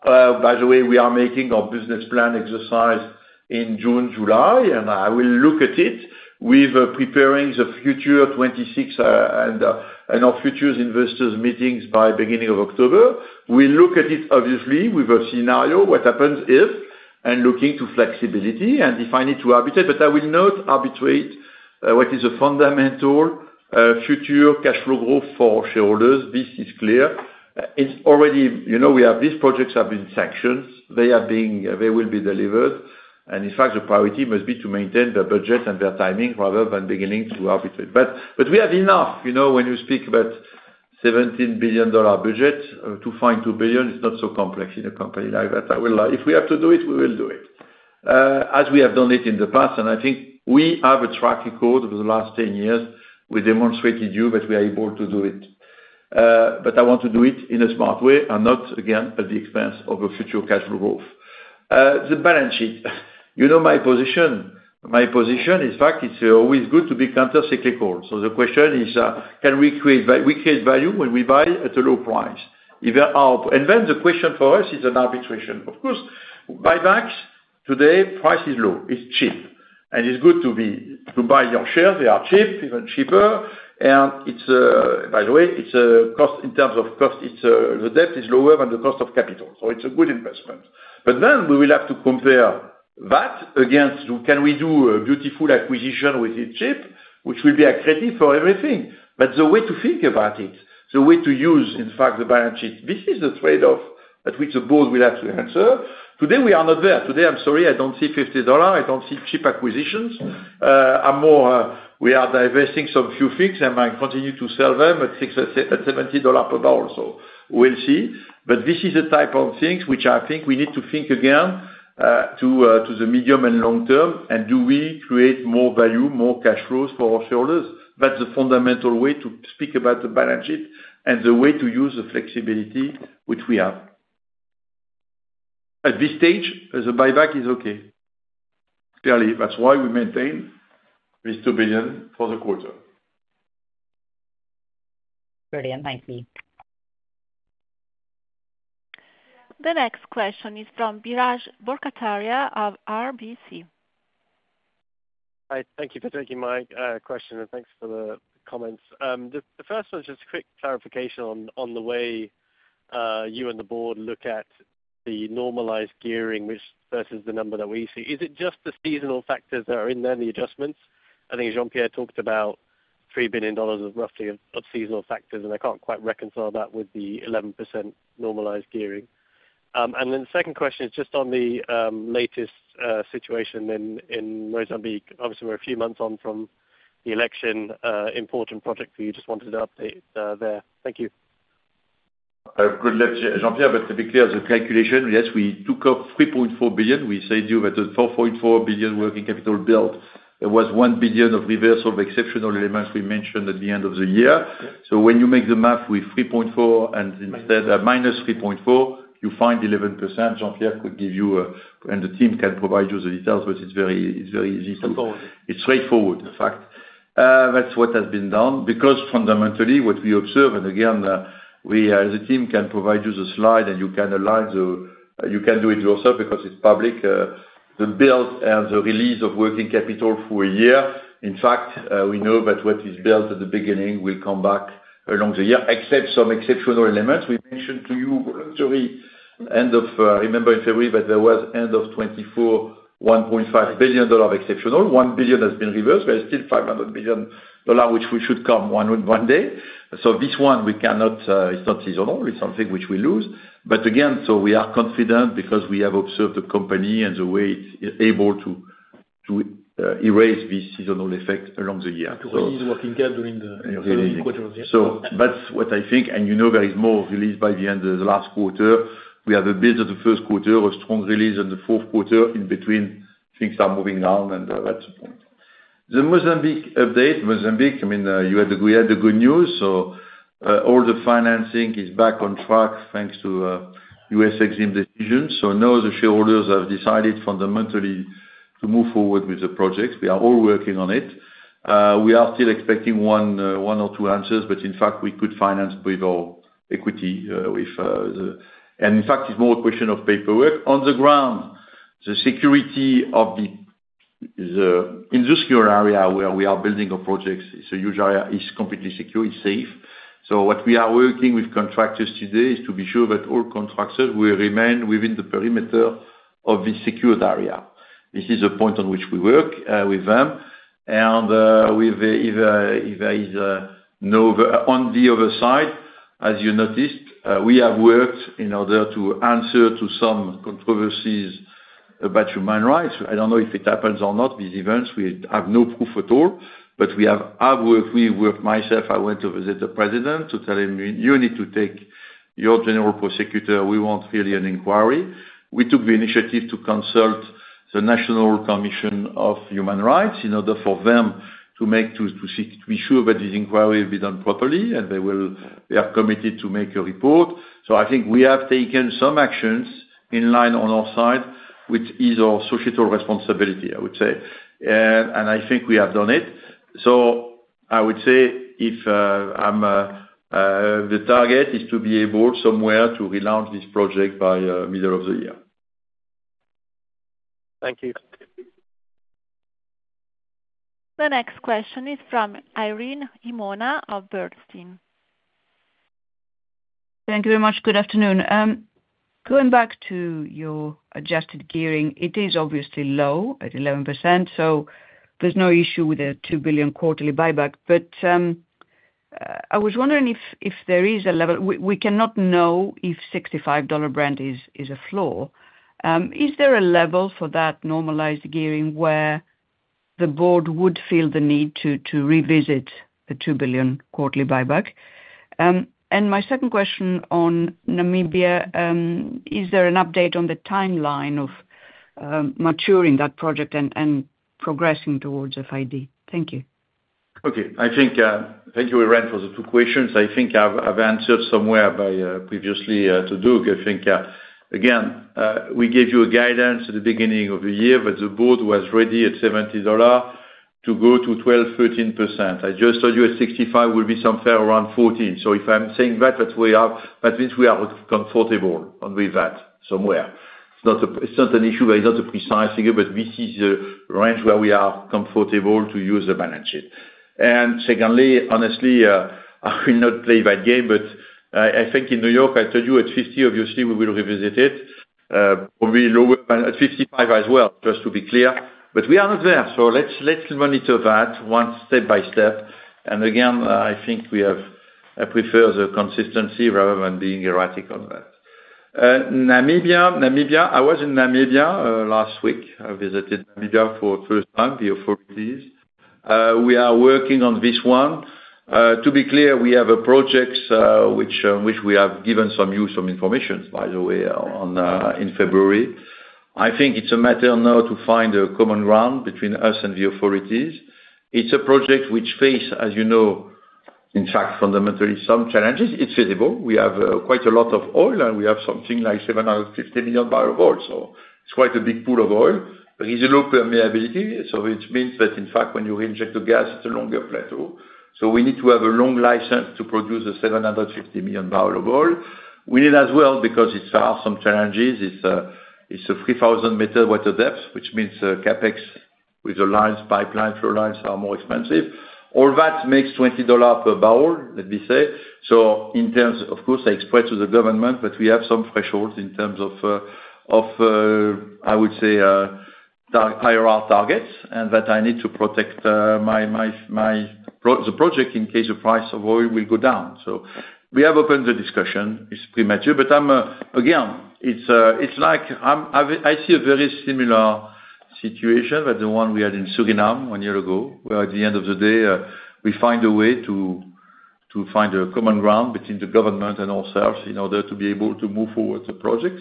By the way, we are making our business plan exercise in June, July, and I will look at it with, preparing the future 2026, and our futures investors meetings by beginning of October. We'll look at it, obviously, with a scenario, what happens if, and looking to flexibility and defining to arbitrate. I will not arbitrate what is a fundamental, future cash flow growth for shareholders. This is clear. It's already, you know, we have these projects have been sanctioned. They are being, they will be delivered. In fact, the priority must be to maintain their budgets and their timing rather than beginning to arbitrate. We have enough, you know, when you speak about $17 billion budget, to find $2 billion, it's not so complex in a company like that. I will, if we have to do it, we will do it, as we have done it in the past. I think we have a track record over the last 10 years. We demonstrated you that we are able to do it. I want to do it in a smart way and not, again, at the expense of a future cash flow growth. The balance sheet. You know my position. My position, in fact, it's always good to be countercyclical. The question is, can we create value? We create value when we buy at a low price. If there are and then the question for us is an arbitration. Of course, buybacks today, price is low. It's cheap. It's good to buy your shares. They are cheap, even cheaper. By the way, in terms of cost, the debt is lower than the cost of capital. It is a good investment. We will have to compare that against, can we do a beautiful acquisition with it cheap, which will be accretive for everything? The way to think about it, the way to use, in fact, the balance sheet, this is the trade-off at which the board will have to answer. Today, we are not there. I'm sorry, I do not see $50. I do not see cheap acquisitions. I'm more, we are divesting some few things. I might continue to sell them at $60 at $70 per barrel. We will see. This is the type of things which I think we need to think again, to the medium and long term, and do we create more value, more cash flows for our shareholders? That is the fundamental way to speak about the balance sheet and the way to use the flexibility which we have. At this stage, the buyback is okay. Clearly, that is why we maintain this $2 billion for the quarter. Brilliant. Thank you. The next question is from Biraj Borkhataria of RBC. Hi. Thank you for taking my question, and thanks for the comments. The first one's just a quick clarification on the way you and the board look at the normalized gearing versus the number that we see. Is it just the seasonal factors that are in there, the adjustments? I think Jean-Pierre talked about $3 billion roughly of seasonal factors, and I can't quite reconcile that with the 11% normalized gearing. The second question is just on the latest situation in Mozambique. Obviously, we're a few months on from the election, important project that you just wanted to update there. Thank you. Good, Biraj, but to be clear, the calculation, yes, we took up $3.4 billion. We said you had a $4.4 billion working capital built. There was $1 billion of reversal of exceptional elements we mentioned at the end of the year. When you make the math with $3.4 and instead, minus $3.4, you find 11%. Jean-Pierre could give you a and the team can provide you the details, but it is very, it is very easy to. Straightforward. It's straightforward, in fact. That's what has been done because fundamentally, what we observe, and again, we as a team can provide you the slide, and you can align the, you can do it yourself because it's public, the build and the release of working capital for a year. In fact, we know that what is built at the beginning will come back along the year, except some exceptional elements. We mentioned to you voluntary end of, I remember in February, but there was end of 2024, $1.5 billion of exceptional. $1 billion has been reversed, but it's still $500 million, which we should come one day. This one, we cannot, it's not seasonal. It's something which we lose. Again, we are confident because we have observed the company and the way it's able to erase these seasonal effects along the year. To release working capital in the. In the quarters. That's what I think. You know there is more release by the end of the last quarter. We have a bit of the first quarter, a strong release in the fourth quarter. In between, things are moving down, and that's the point. The Mozambique update, Mozambique, I mean, you had the good news. You had the good news. All the financing is back on track thanks to U.S. EXIM decisions. Now the shareholders have decided fundamentally to move forward with the projects. They are all working on it. We are still expecting one or two answers, but in fact, we could finance with our equity, and in fact, it's more a question of paperwork. On the ground, the security of the industrial area where we are building our projects is a huge area. It's completely secure. It's safe. What we are working with contractors today is to be sure that all contractors will remain within the perimeter of the secured area. This is a point on which we work with them. If there is no, on the other side, as you noticed, we have worked in order to answer to some controversies about human rights. I do not know if it happens or not, these events. We have no proof at all. I have worked with myself. I went to visit the president to tell him, "You need to take your general prosecutor. We want really an inquiry." We took the initiative to consult the National Commission of Human Rights in order for them to seek to be sure that this inquiry will be done properly, and they are committed to make a report. I think we have taken some actions in line on our side, which is our societal responsibility, I would say. I think we have done it. I would say if the target is to be able somewhere to relaunch this project by middle of the year. Thank you. The next question is from Irene Himona of Bernstein. Thank you very much. Good afternoon. Going back to your adjusted gearing, it is obviously low at 11%. There is no issue with a $2 billion quarterly buyback. I was wondering if there is a level we cannot know if $65 Brent is a floor. Is there a level for that normalized gearing where the board would feel the need to revisit the $2 billion quarterly buyback? My second question on Namibia, is there an update on the timeline of maturing that project and progressing towards FID? Thank you. Okay. Thank you, Irene, for the two questions. I think I've answered somewhere previously to Doug. Again, we gave you a guidance at the beginning of the year, but the board was ready at $70 to go to 12%-13%. I just told you at $65 will be somewhere around 14%. If I'm saying that, that means we are comfortable with that somewhere. It's not an issue, but it's not a precise figure. This is a range where we are comfortable to use the balance sheet. Secondly, honestly, I will not play that game, but I think in New York, I told you at $50, obviously, we will revisit it, probably lower at $55 as well, just to be clear. We are not there. Let's monitor that one step by step. I prefer the consistency rather than being erratic on that. Namibia, Namibia, I was in Namibia last week. I visited Namibia for the first time via authorities. We are working on this one. To be clear, we have a project, which we have given you some information, by the way, on, in February. I think it's a matter now to find a common ground between us and the authorities. It's a project which faces, as you know, in fact, fundamentally some challenges. It's feasible. We have quite a lot of oil, and we have something like 750 million barrels of oil. So it's quite a big pool of oil. There is a low permeability. So it means that, in fact, when you reinject the gas, it's a longer plateau. We need to have a long license to produce a 750 million barrel of oil. We need as well because it has some challenges. It's a 3,000-meter water depth, which means CapEx with the lines, pipeline flow lines are more expensive. All that makes $20 per barrel, let me say. In terms, of course, I express to the government, but we have some thresholds in terms of, of, I would say, tar higher R targets, and that I need to protect my, my, my pro the project in case the price of oil will go down. We have opened the discussion. It's premature, but again, it's like I see a very similar situation with the one we had in Suriname one year ago, where at the end of the day, we find a way to find a common ground between the government and ourselves in order to be able to move forward the project.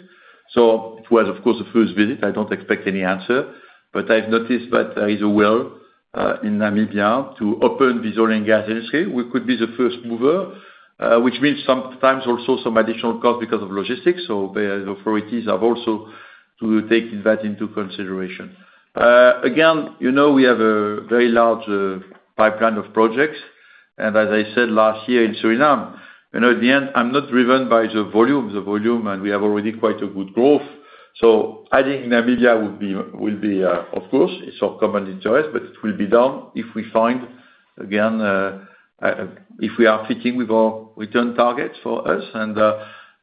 It was, of course, the first visit. I don't expect any answer, but I've noticed that there is a will in Namibia to open this oil and gas industry. We could be the first mover, which means sometimes also some additional cost because of logistics. The authorities have also to take that into consideration. Again, you know, we have a very large pipeline of projects. As I said last year in Suriname, you know, at the end, I'm not driven by the volume. The volume, and we have already quite a good growth. Adding Namibia would be, of course, it's our common interest, but it will be done if we find, again, if we are fitting with our return targets for us.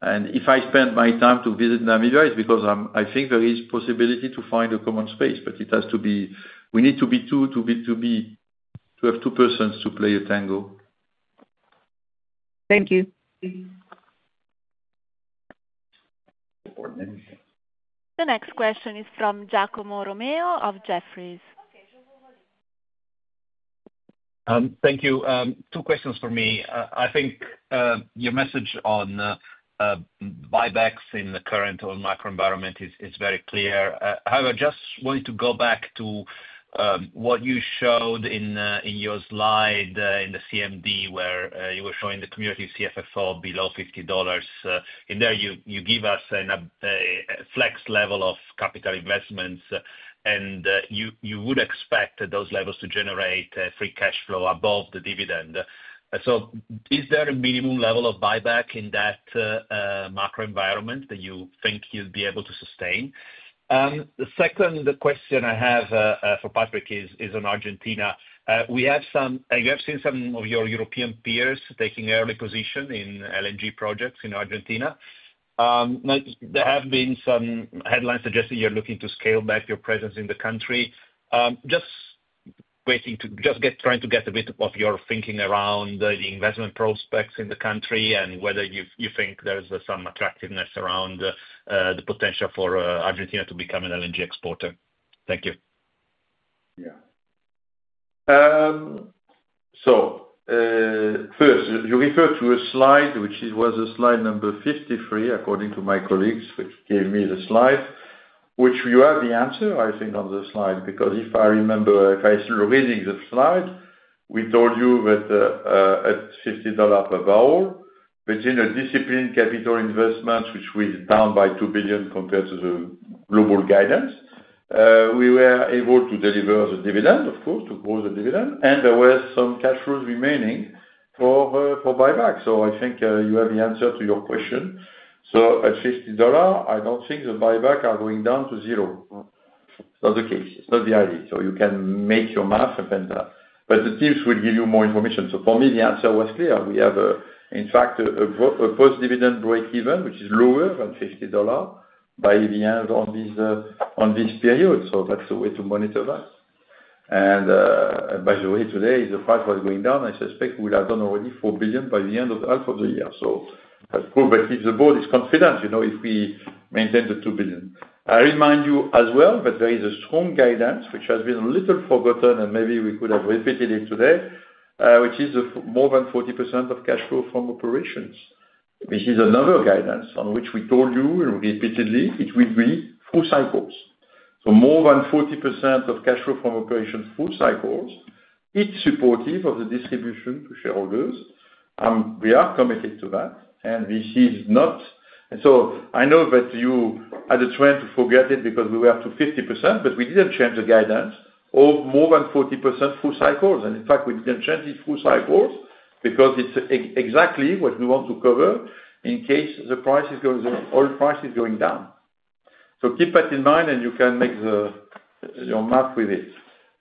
And if I spend my time to visit Namibia, it's because I think there is possibility to find a common space, but it has to be, we need to be two to have two persons to play a tango. Thank you. The next question is from Giacomo Romeo of Jefferies. Thank you. Two questions for me. I think your message on buybacks in the current oil and macroenvironment is very clear. However, just wanted to go back to what you showed in your slide in the CMD where you were showing the community CFFO below $50. In there, you give us a flex level of capital investments, and you would expect those levels to generate free cash flow above the dividend. So is there a minimum level of buyback in that macroenvironment that you think you'd be able to sustain? The second question I have for Patrick is on Argentina. We have seen some of your European peers taking early position in LNG projects in Argentina. Now, there have been some headlines suggesting you're looking to scale back your presence in the country. Just waiting to get a bit of your thinking around the investment prospects in the country and whether you think there's some attractiveness around the potential for Argentina to become an LNG exporter. Thank you. Yeah. So, first, you referred to a slide, which was slide number 53, according to my colleagues, which gave me the slide, which you have the answer, I think, on the slide, because if I remember, if I am still reading the slide, we told you that, at $50 per barrel, but in a disciplined capital investment, which we down by $2 billion compared to the global guidance, we were able to deliver the dividend, of course, to grow the dividend, and there were some cash flows remaining for buyback. I think you have the answer to your question. At $50, I do not think the buyback are going down to zero. It is not the case. It is not the idea. You can make your math and then the teams will give you more information. For me, the answer was clear. We have, in fact, a post-dividend breakeven, which is lower than $50 by the end of this, on this period. That is a way to monitor that. By the way, today, if the price was going down, I suspect we would have done already $4 billion by the end of the half of the year. That is good. If the board is confident, you know, if we maintain the $2 billion, I remind you as well that there is a strong guidance, which has been a little forgotten, and maybe we could have repeated it today, which is the more than 40% of cash flow from operations, which is another guidance on which we told you repeatedly it will be full cycles. More than 40% of cash flow from operations full cycles, it is supportive of the distribution to shareholders. We are committed to that, and this is not, and I know that you had a trend to forget it because we were up to 50%, but we did not change the guidance of more than 40% full cycles. In fact, we did not change it full cycles because it is exactly what we want to cover in case the oil price is going down. Keep that in mind, and you can make your math with it.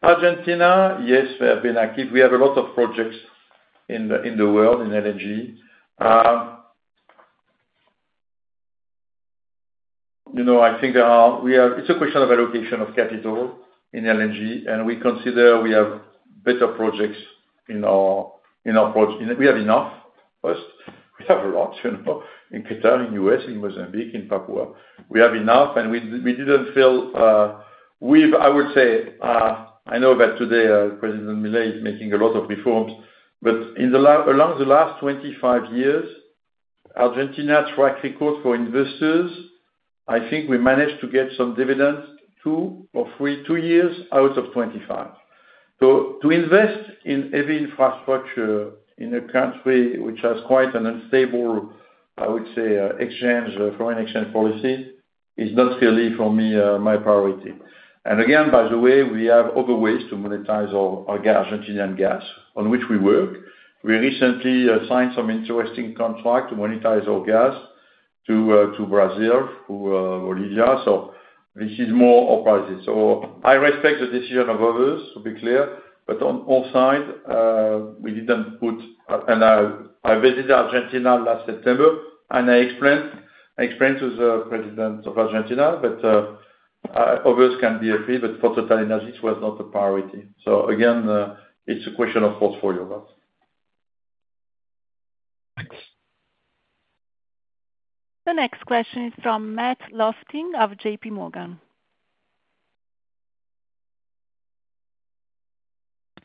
Argentina, yes, we have been active. We have a lot of projects in the world in LNG. You know, I think there are, we have, it is a question of allocation of capital in LNG, and we consider we have better projects in our, in our, we have enough. First, we have a lot, you know, in Qatar, in the U.S., in Mozambique, in Papua. We have enough, and we did not feel, I would say, I know that today, President Milei is making a lot of reforms, but in the last 25 years, Argentina track record for investors. I think we managed to get some dividends two or three years out of 25. To invest in heavy infrastructure in a country which has quite an unstable, I would say, exchange, foreign exchange policy is not really, for me, my priority. By the way, we have other ways to monetize our Argentinian gas on which we work. We recently signed some interesting contract to monetize our gas to Brazil through Bolivia. This is more our priority. I respect the decision of others, to be clear, but on our side, we didn't put, and I visited Argentina last September, and I explained to the president of Argentina, but others can be agreed, but for TotalEnergies, it was not a priority. Again, it's a question of portfolio gas. The next question is from Matt Lofting of JPMorgan.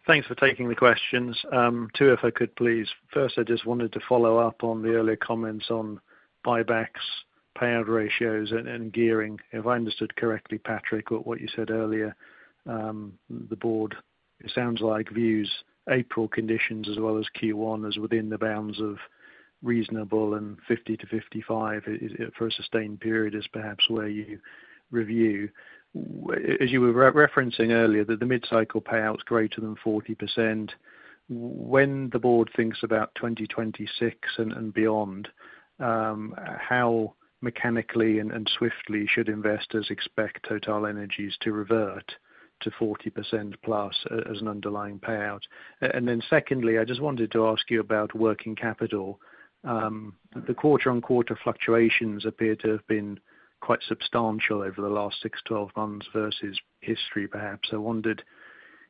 Thanks for taking the questions. Two if I could, please. First, I just wanted to follow up on the earlier comments on buybacks, payout ratios, and gearing. If I understood correctly, Patrick, what you said earlier, the board, it sounds like, views April conditions as well as Q1 as within the bounds of reasonable, and 50%-55% is, is for a sustained period is perhaps where you review. As you were re-referencing earlier, that the mid-cycle payout's greater than 40%. When the board thinks about 2026 and beyond, how mechanically and swiftly should investors expect TotalEnergies to revert to 40% plus as an underlying payout? And then secondly, I just wanted to ask you about working capital. The quarter-on-quarter fluctuations appear to have been quite substantial over the last 6, 12 months versus history, perhaps. I wondered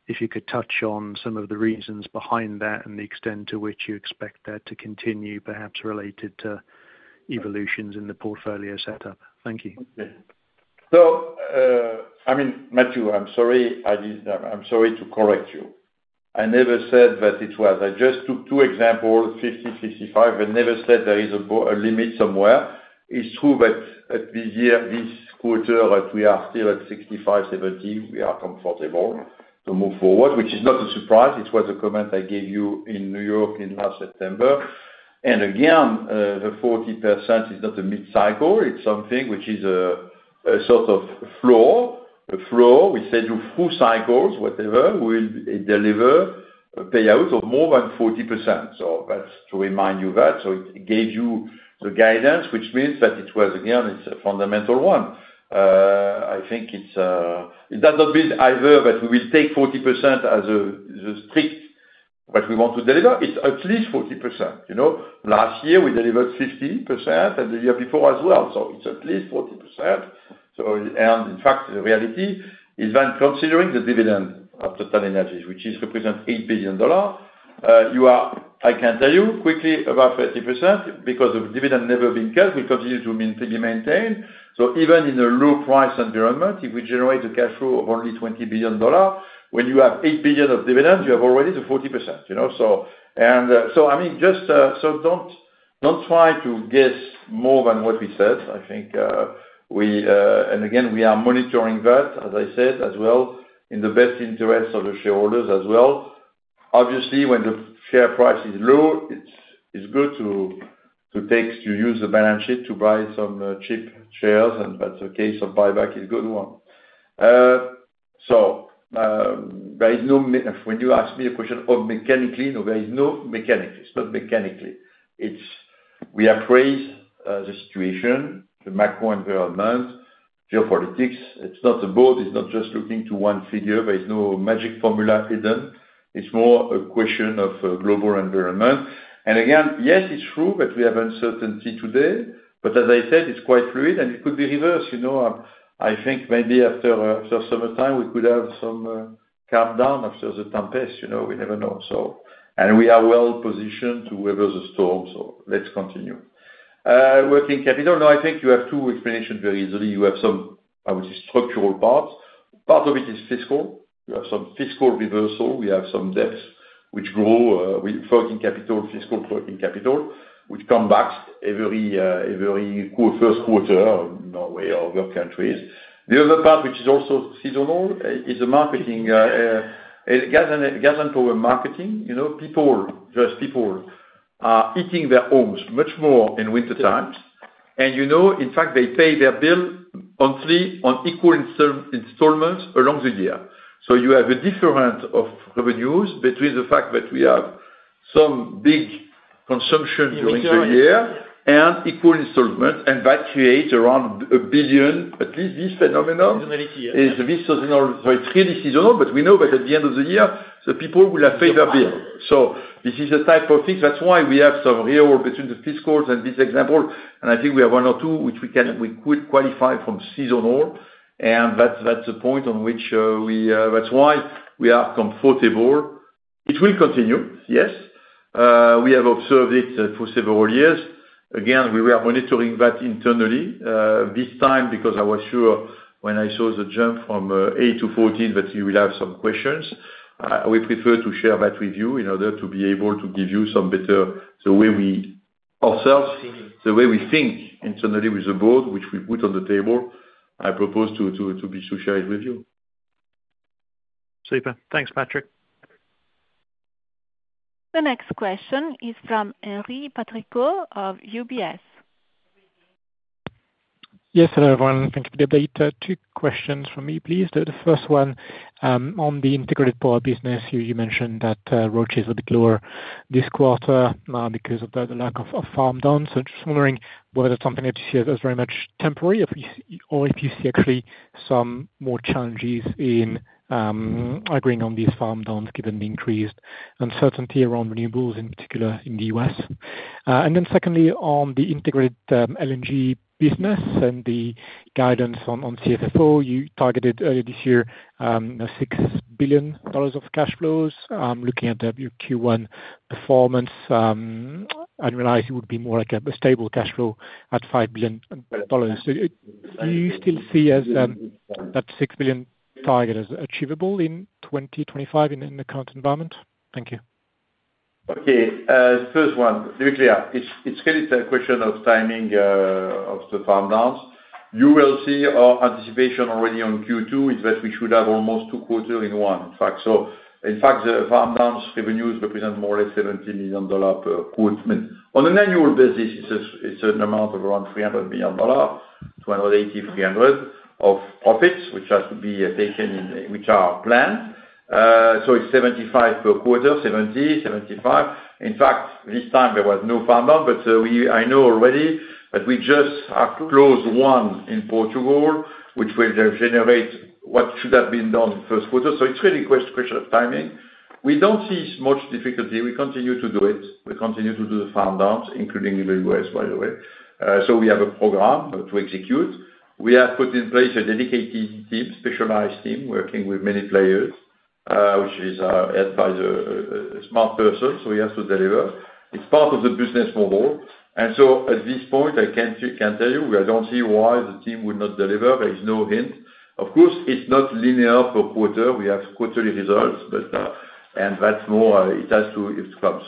if you could touch on some of the reasons behind that and the extent to which you expect that to continue, perhaps related to evolutions in the portfolio setup. Thank you. Okay. I mean, Matthew, I'm sorry. I didn't, I'm sorry to correct you. I never said that it was, I just took two examples, 50, 55, and never said there is a, a limit somewhere. It's true that at this year, this quarter, that we are still at 65-70, we are comfortable to move forward, which is not a surprise. It was a comment I gave you in New York in last September. Again, the 40% is not a mid-cycle. It's something which is a, a sort of floor. The floor, we said through cycles, whatever, will deliver a payout of more than 40%. That is to remind you of that. It gave you the guidance, which means that it was, again, it's a fundamental one. I think it's, it does not mean either that we will take 40% as a, as a strict what we want to deliver. It's at least 40%. You know, last year, we delivered 50%, and the year before as well. So it's at least 40%. In fact, the reality is that considering the dividend of TotalEnergies, which represents $8 billion, you are, I can tell you quickly, about 30% because of dividend never being cut, will continue to be maintained. Even in a low-price environment, if we generate a cash flow of only $20 billion, when you have $8 billion of dividend, you have already the 40%, you know? I mean, just, so don't, don't try to guess more than what we said. I think we, and again, we are monitoring that, as I said, as well, in the best interests of the shareholders as well. Obviously, when the share price is low, it's good to use the balance sheet to buy some cheap shares, and that's a case of buyback is a good one. There is no me when you ask me a question of mechanically, no, there is no mechanically. It's not mechanically. We appraise the situation, the macroenvironment, geopolitics. The board is not just looking to one figure. There is no magic formula hidden. It's more a question of a global environment. Again, yes, it's true that we have uncertainty today, but as I said, it's quite fluid, and it could be reversed. You know, I think maybe after, after summertime, we could have some calm down after the Tempest, you know? We never know. We are well positioned to weather the storm, so let's continue. Working capital. No, I think you have two explanations very easily. You have some, I would say, structural parts. Part of it is fiscal. You have some fiscal reversal. We have some debts which grow with working capital, fiscal working capital, which comebacks every, every first quarter in Norway or other countries. The other part, which is also seasonal, is the marketing, gas and gas and power marketing. You know, people, just people, are heating their homes much more in wintertimes. And, you know, in fact, they pay their bill monthly on equal installments along the year. You have a different of revenues between the fact that we have some big consumption during the year and equal installments, and that creates around $1 billion, at least this phenomenon. Seasonality, yes. It's seasonal. It's really seasonal, but we know that at the end of the year, the people will have paid their bill. This is a type of thing. That's why we have some real between the fiscals and these examples, and I think we have one or two which we could qualify from seasonal. That's the point on which we, that's why we are comfortable. It will continue, yes. We have observed it for several years. Again, we were monitoring that internally this time because I was sure when I saw the jump from 8-14 that you will have some questions. We prefer to share that with you in order to be able to give you some better the way we ourselves. Thinking. The way we think internally with the board, which we put on the table, I propose to share it with you. Super. Thanks, Patrick. The next question is from Henri Patricot of UBS. Yes, hello, everyone. Thank you for the update. Two questions from me, please. The first one, on the integrated power business. You mentioned that, ROCE is a bit lower this quarter, because of the lack of farm downs. Just wondering whether that's something that you see as very much temporary, if you see or if you see actually some more challenges in agreeing on these farm downs given the increased uncertainty around renewables, in particular in the U.S. Secondly, on the integrated LNG business and the guidance on CFFO, you targeted earlier this year, you know, $6 billion of cash flows. Looking at your Q1 performance, I realize it would be more like a stable cash flow at $5 billion. Do you still see that $6 billion target as achievable in 2025 in the current environment? Thank you. Okay. First one, to be clear, it's clearly a question of timing, of the farm downs. You will see our anticipation already on Q2 is that we should have almost two quarters in one, in fact. In fact, the farm downs revenues represent more or less $70 million per quarter. I mean, on an annual basis, it's an amount of around $300 million, $280 million-$300 million of profits, which has to be taken in, which are planned. It's $75 million per quarter, $70 million-$75 million. In fact, this time, there was no farm down, but I know already that we just have closed one in Portugal, which will then generate what should have been done first quarter. It's really a question of timing. We don't see much difficulty. We continue to do it. We continue to do the farm downs, including in the U.S., by the way. We have a program to execute. We have put in place a dedicated team, specialized team, working with many players, which is, advisor, a smart person, so we have to deliver. It's part of the business model. At this point, I can't tell you. I don't see why the team would not deliver. There is no hint. Of course, it's not linear per quarter. We have quarterly results, but, and that's more, it has to, it's come.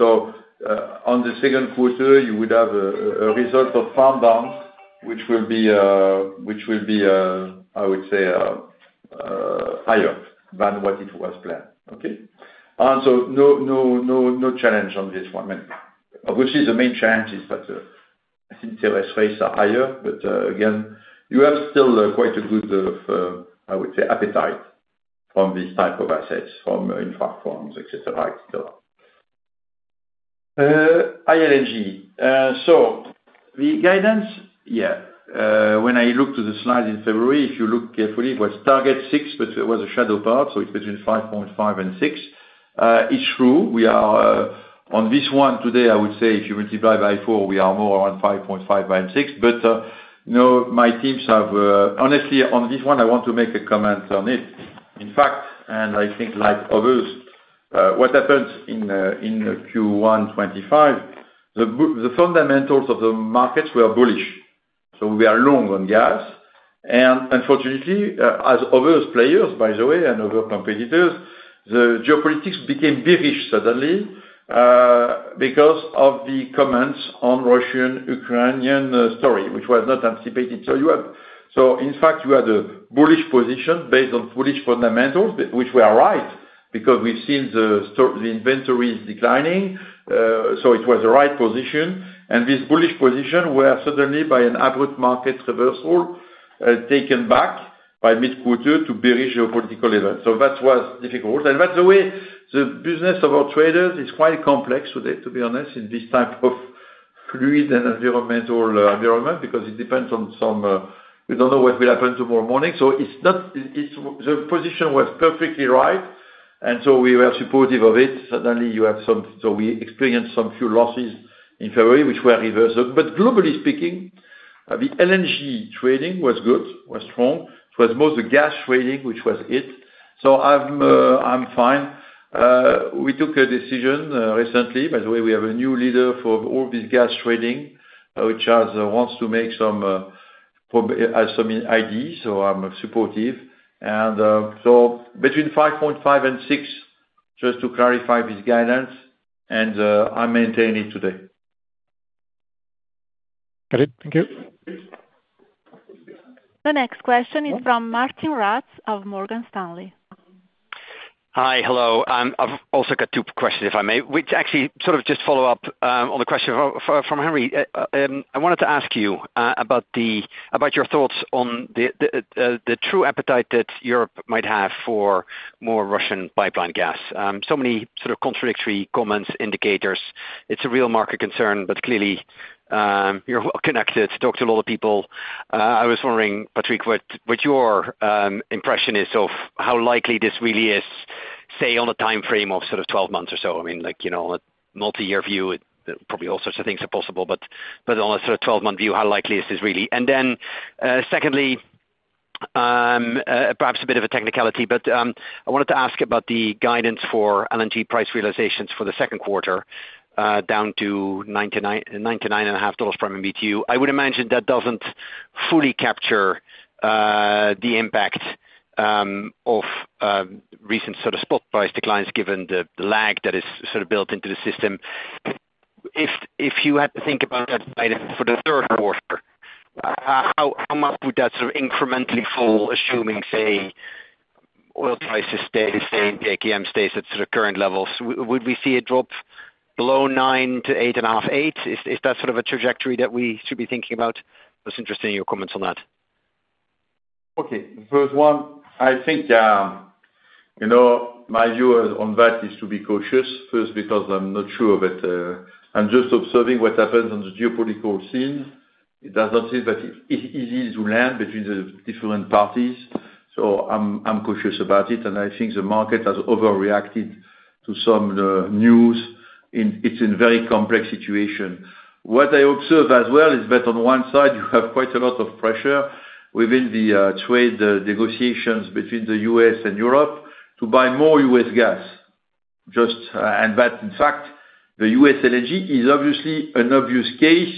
On the second quarter, you would have a result of farm downs, which will be, which will be, I would say, higher than what it was planned. Okay? No, no, no challenge on this one. I mean, obviously, the main challenge is that interest rates are higher, but, again, you have still quite a good, I would say, appetite from this type of assets, from infra funds, etc., etc. ILNG. So the guidance, yeah, when I looked at the slide in February, if you look carefully, it was target 6, but it was a shadow part, so it is between 5.5 and 6. It is true. We are, on this one today, I would say, if you multiply by 4, we are more around 5.5 and 6. You know, my teams have, honestly, on this one, I want to make a comment on it. In fact, and I think like others, what happened in Q1 2025, the fundamentals of the markets were bullish. We were long on gas. Unfortunately, as other players, by the way, and other competitors, the geopolitics became bearish suddenly, because of the comments on the Russian-Ukrainian story, which was not anticipated. You have, in fact, you had a bullish position based on bullish fundamentals, which were right because we have seen the inventories declining. It was the right position. This bullish position was suddenly, by an abrupt market reversal, taken back by mid-quarter to bearish geopolitical events. That was difficult. By the way, the business of our traders is quite complex today, to be honest, in this type of fluid environment because it depends on some, we do not know what will happen tomorrow morning. It is not, the position was perfectly right, and we were supportive of it. Suddenly, you have some, so we experienced some few losses in February, which were reversal. But globally speaking, the LNG trading was good, was strong. It was mostly gas trading, which was it. I'm fine. We took a decision recently. By the way, we have a new leader for all this gas trading, which has, wants to make some, has some ID, so I'm supportive. And between 5.5 and 6, just to clarify this guidance, and I maintain it today. Got it. Thank you. The next question is from Martijn Rats of Morgan Stanley. Hi, hello. I've also got two questions, if I may, which actually sort of just follow up on the question from Henri. I wanted to ask you about your thoughts on the true appetite that Europe might have for more Russian pipeline gas. There are so many sort of contradictory comments, indicators. It's a real market concern, but clearly, you're well connected, talked to a lot of people. I was wondering, Patrick, what your impression is of how likely this really is, say, on a timeframe of sort of 12 months or so. I mean, like, you know, on a multi-year view, probably all sorts of things are possible, but on a sort of 12-month view, how likely is this really? Secondly, perhaps a bit of a technicality, but I wanted to ask about the guidance for LNG price realizations for the second quarter, down to $9, $9.5 per MMBtu. I would imagine that does not fully capture the impact of recent sort of spot price declines given the lag that is sort of built into the system. If you had to think about that guidance for the third quarter, how much would that sort of incrementally fall, assuming, say, oil prices stay the same, TTF stays at sort of current levels? Would we see it drop below 9-8 and a half, 8? Is that sort of a trajectory that we should be thinking about? I was interested in your comments on that. Okay. First one, I think, you know, my view on that is to be cautious first because I'm not sure of it. I'm just observing what happens on the geopolitical scene. It doesn't seem that it's easy to land between the different parties. So I'm cautious about it. I think the market has overreacted to some news in its very complex situation. What I observe as well is that on one side, you have quite a lot of pressure within the trade negotiations between the U.S. and Europe to buy more U.S. gas. Just, and that, in fact, the U.S. LNG is obviously an obvious case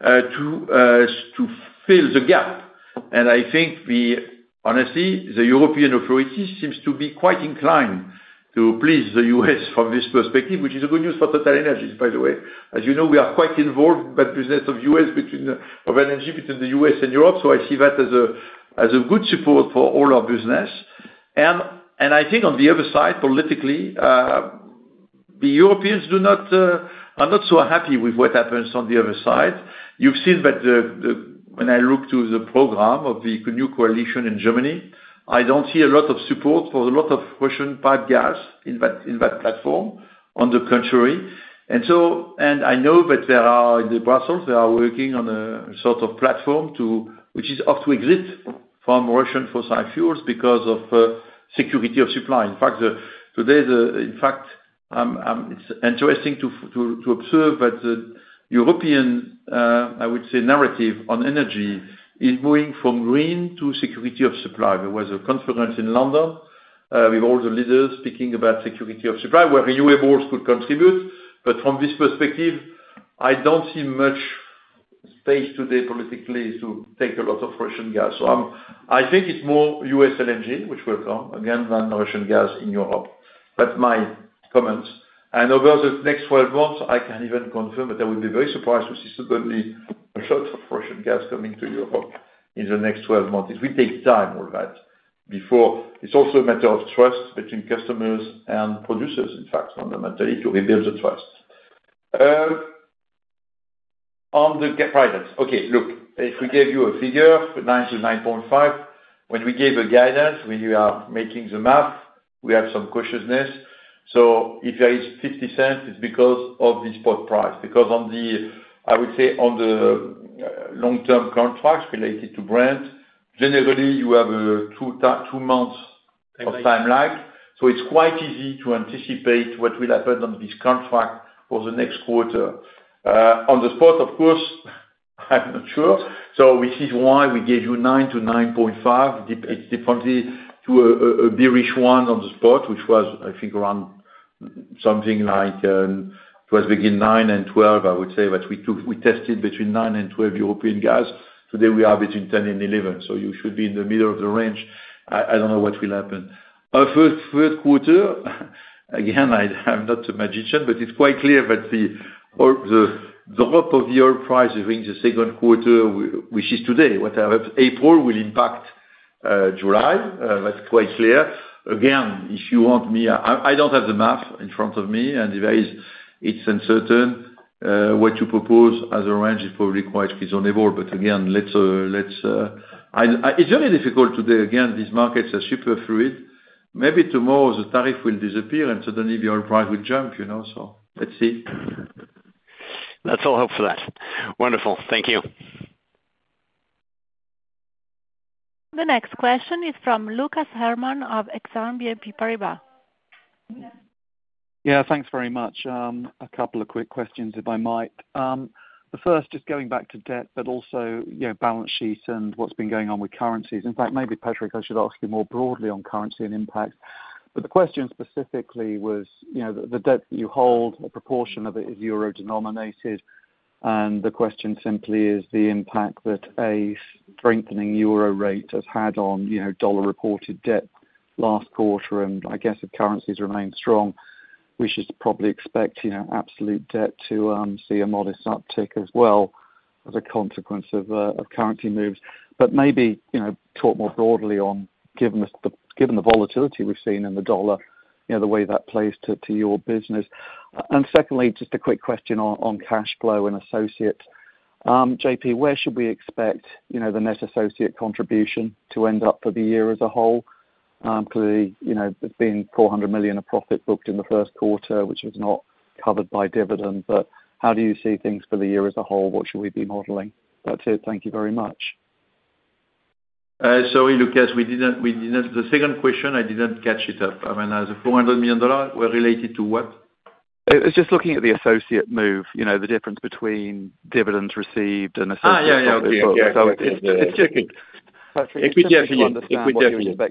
to fill the gap. I think we honestly, the European authorities seem to be quite inclined to please the U.S. from this perspective, which is good news for TotalEnergies, by the way. As you know, we are quite involved in that business of LNG between the U.S. and Europe. I see that as a good support for all our business. I think on the other side, politically, the Europeans are not so happy with what happens on the other side. You've seen that when I look to the program of the new coalition in Germany, I do not see a lot of support for a lot of Russian pipe gas in that platform, on the contrary. I know that in Brussels, they are working on a sort of platform to exit from Russian fossil fuels because of security of supply. In fact, today, it's interesting to observe that the European, I would say, narrative on energy is moving from green to security of supply. There was a conference in London, with all the leaders speaking about security of supply, where renewables could contribute. From this perspective, I don't see much space today politically to take a lot of Russian gas. I think it's more U.S. LNG, which will come, again, than Russian gas in Europe. That's my comments. Over the next 12 months, I can't even confirm, but I would be very surprised to see suddenly a lot of Russian gas coming to Europe in the next 12 months. It will take time, all that, before. It's also a matter of trust between customers and producers, in fact, fundamentally, to rebuild the trust. On the guidance. Okay. Look, if we gave you a figure for 9-9.5, when we gave a guidance, when you are making the math, we have some cautiousness. If there is $0.50, it is because of the spot price. On the, I would say, on the long-term contracts related to Brent, generally, you have a two-month. Timeline. Of timeline. It's quite easy to anticipate what will happen on this contract for the next quarter. On the spot, of course, I'm not sure, which is why we gave you 9-9.5. It's differently to a bearish one on the spot, which was, I think, around something like, it was between 9 and 12, I would say, but we tested between 9 and 12 European gas. Today, we are between 10 and 11. You should be in the middle of the range. I don't know what will happen. First, third quarter, again, I am not a magician, but it's quite clear that the drop of the oil price during the second quarter, which is today, whatever April, will impact July, that's quite clear. Again, if you want me, I don't have the math in front of me, and if there is, it's uncertain. What you propose as a range is probably quite reasonable. Again, these markets are super fluid. Maybe tomorrow, the tariff will disappear, and suddenly, the oil price will jump, you know? Let's see. Let's all hope for that. Wonderful. Thank you. The next question is from Lucas Herrmann of Exane BNP Paribas. Yeah. Thanks very much. A couple of quick questions, if I might. The first, just going back to debt, but also, you know, balance sheets and what's been going on with currencies. In fact, maybe, Patrick, I should ask you more broadly on currency and impact. The question specifically was, you know, the debt that you hold, a proportion of it is euro-denominated. The question simply is the impact that a strengthening euro rate has had on, you know, dollar-reported debt last quarter. I guess if currencies remain strong, we should probably expect, you know, absolute debt to see a modest uptick as well as a consequence of currency moves. Maybe, you know, talk more broadly on, given the volatility we've seen in the dollar, you know, the way that plays to your business. Secondly, just a quick question on, on cash flow and associates. JP, where should we expect, you know, the net associate contribution to end up for the year as a whole? Clearly, you know, there has been $400 million of profit booked in the first quarter, which was not covered by dividend. How do you see things for the year as a whole? What should we be modeling? That is it. Thank you very much. Sorry, Lucas. We didn't, we didn't, the second question, I didn't catch it up. I mean, as a $400 million were related to what? It was just looking at the associate move, you know, the difference between dividends received and associates. Yeah, yeah, yeah. It's checking. Patrick, it's understandable. Equity efforts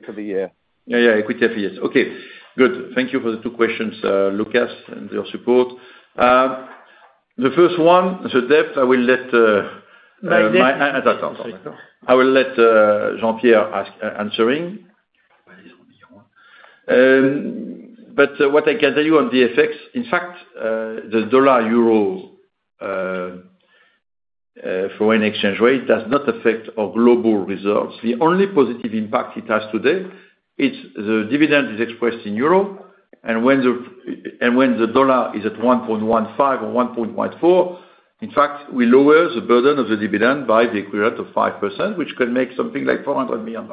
for the year. Yeah, yeah, equity efforts. Okay. Good. Thank you for the two questions, Lucas, and your support. The first one, so debt, I will let, Made it. I'll talk. I will let Jean-Pierre answer. What I can tell you on the effects, in fact, the dollar-euro foreign exchange rate does not affect our global results. The only positive impact it has today, it's the dividend is expressed in euro. When the dollar is at 1.15 or 1.14, in fact, we lower the burden of the dividend by the equivalent of 5%, which can make something like $400 million.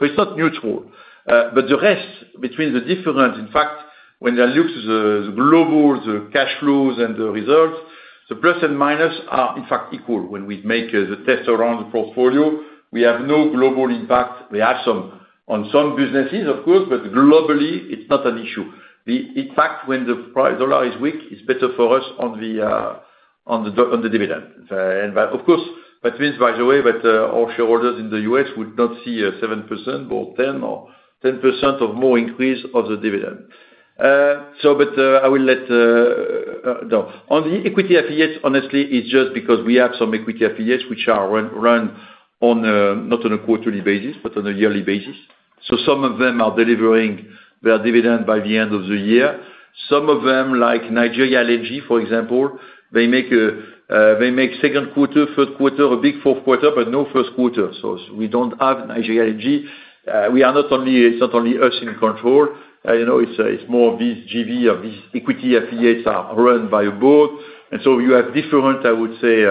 It is not neutral. The rest between the different, in fact, when I look to the global, the cash flows and the results, the plus and minus are, in fact, equal. When we make the test around the portfolio, we have no global impact. We have some on some businesses, of course, but globally, it's not an issue. In fact, when the price dollar is weak, it's better for us on the dividend. Of course, that means, by the way, that our shareholders in the U.S. would not see a 7% or 10% or more increase of the dividend. I will let—no. On the equity affiliates, honestly, it's just because we have some equity affiliates which are run on a not on a quarterly basis, but on a yearly basis. Some of them are delivering their dividend by the end of the year. Some of them, like Nigeria LNG, for example, they make a second quarter, third quarter, a big fourth quarter, but no first quarter. We don't have Nigeria LNG. We are not only—it's not only us in control. You know, it's more of these JV or these equity affiliates are run by a board. And so you have different, I would say,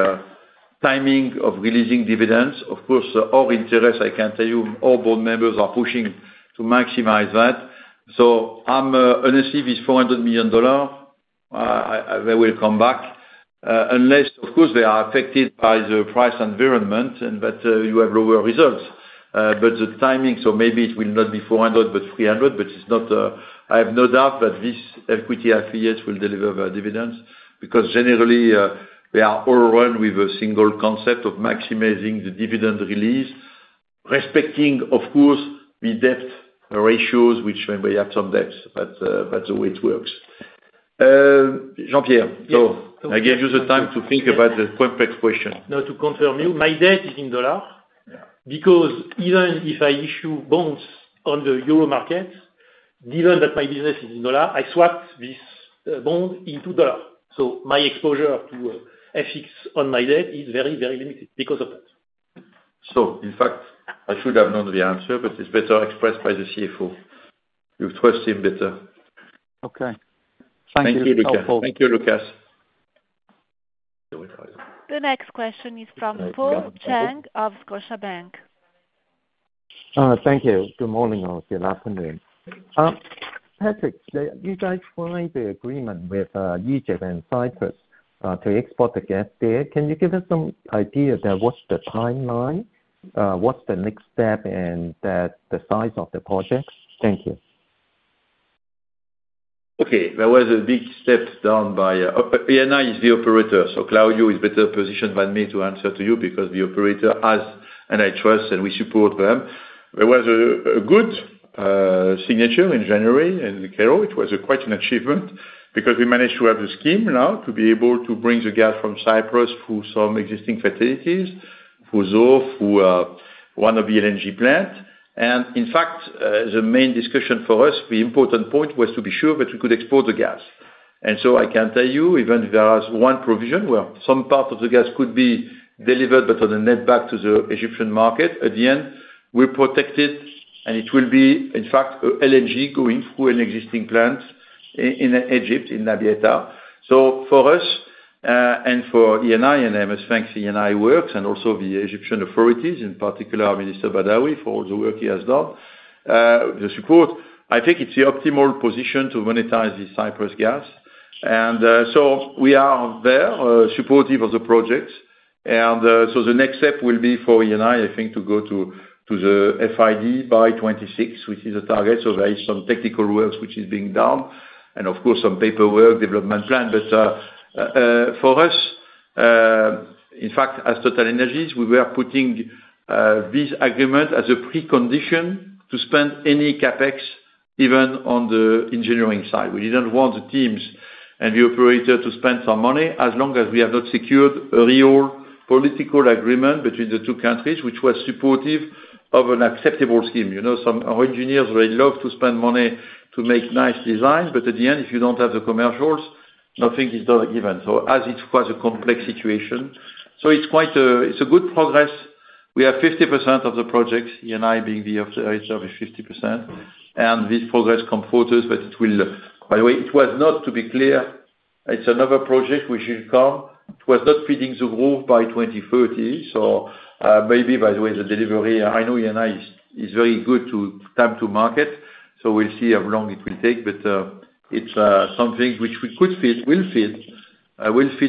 timing of releasing dividends. Of course, our interest, I can tell you, all board members are pushing to maximize that. Honestly, this $400 million, I will come back, unless, of course, they are affected by the price environment and that you have lower results. The timing, so maybe it will not be $400 million but $300 million, but I have no doubt that these equity affiliates will deliver their dividends because generally, they are all run with a single concept of maximizing the dividend release, respecting, of course, the debt ratios, which maybe we have some debts, but that's the way it works. Jean-Pierre, I gave you the time to think about the complex question. No, to confirm you, my debt is in dollar because even if I issue bonds on the euro market, given that my business is in dollar, I swap this bond into dollar. So my exposure to FX on my debt is very, very limited because of that. In fact, I should have known the answer, but it's better expressed by the CFO. You trust him better. Okay. Thank you. Thank you, Lucas. The next question is from Paul Chang of Scotiabank. Thank you. Good morning or good afternoon. Patrick, you guys signed the agreement with Egypt and Cyprus to export the gas there. Can you give us some idea that what's the timeline, what's the next step, and the size of the project? Thank you. Okay. There was a big step down by, yeah, now it is the operator. So Luciano Guidi is better positioned than me to answer to you because the operator has, and I trust, and we support them. There was a good signature in January in Cairo. It was quite an achievement because we managed to have the scheme now to be able to bring the gas from Cyprus through some existing facilities, through, through one of the LNG plants. In fact, the main discussion for us, the important point was to be sure that we could export the gas. I can tell you, even if there was one provision where some part of the gas could be delivered but on a net back to the Egyptian market, at the end, we're protected, and it will be, in fact, LNG going through an existing plant in Egypt, in Idku. For us, and for ENI, and I must thank ENI Works and also the Egyptian authorities, in particular, Minister Badawi for all the work he has done, the support, I think it's the optimal position to monetize this Cyprus gas. We are there, supportive of the projects. The next step will be for ENI, I think, to go to the FID by 2026, which is the target. There is some technical work which is being done, and of course, some paperwork, development plan. For us, in fact, as TotalEnergies, we were putting this agreement as a precondition to spend any CapEx, even on the engineering side. We did not want the teams and the operator to spend some money as long as we have not secured a real political agreement between the two countries, which was supportive of an acceptable scheme. You know, some of our engineers, they love to spend money to make nice designs, but at the end, if you do not have the commercials, nothing is given. As it was a complex situation, it is quite a good progress. We have 50% of the projects, ENI being the authority of the 50%. This progress comes further, but by the way, it was not, to be clear, it is another project which should come. It was not feeding Sapura by 2030. Maybe, by the way, the delivery, I know ENI is very good to time to market. We'll see how long it will take. It's something which we could fit, will fit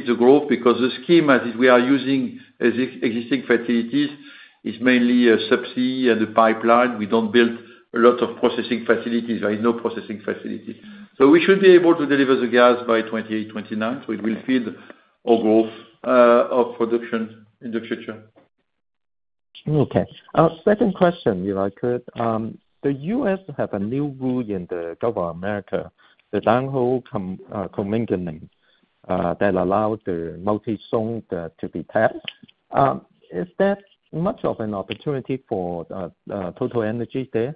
Sapura because the scheme, as we are using existing facilities, is mainly a subsea and a pipeline. We don't build a lot of processing facilities. There is no processing facility. We should be able to deliver the gas by 2028, 2029. It will feed our growth of production in the future. Okay. Second question, if I could. The U.S. have a new rule in the Gulf of America, the Downhole Commingling, that allows the multi-zone to be taxed. Is that much of an opportunity for TotalEnergies there?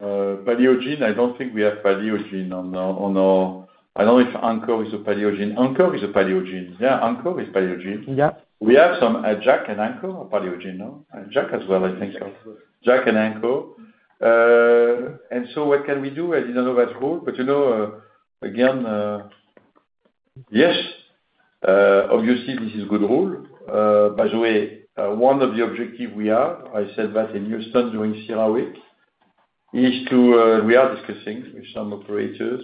Paleogene, I don't think we have Paleogene on our, I don't know if Anchor is a Paleogene. Anchor is a Paleogene. Yeah, Anchor is Paleogene. Yeah. We have some at Jack and Anchor, or Paleogene, no? At Jack as well, I think so. Yes. Jack and Anchor. And so what can we do? I didn't know that rule. But, you know, again, yes. Obviously, this is a good rule. By the way, one of the objectives we are, I said that in Houston during CERAWeek, is to, we are discussing with some operators,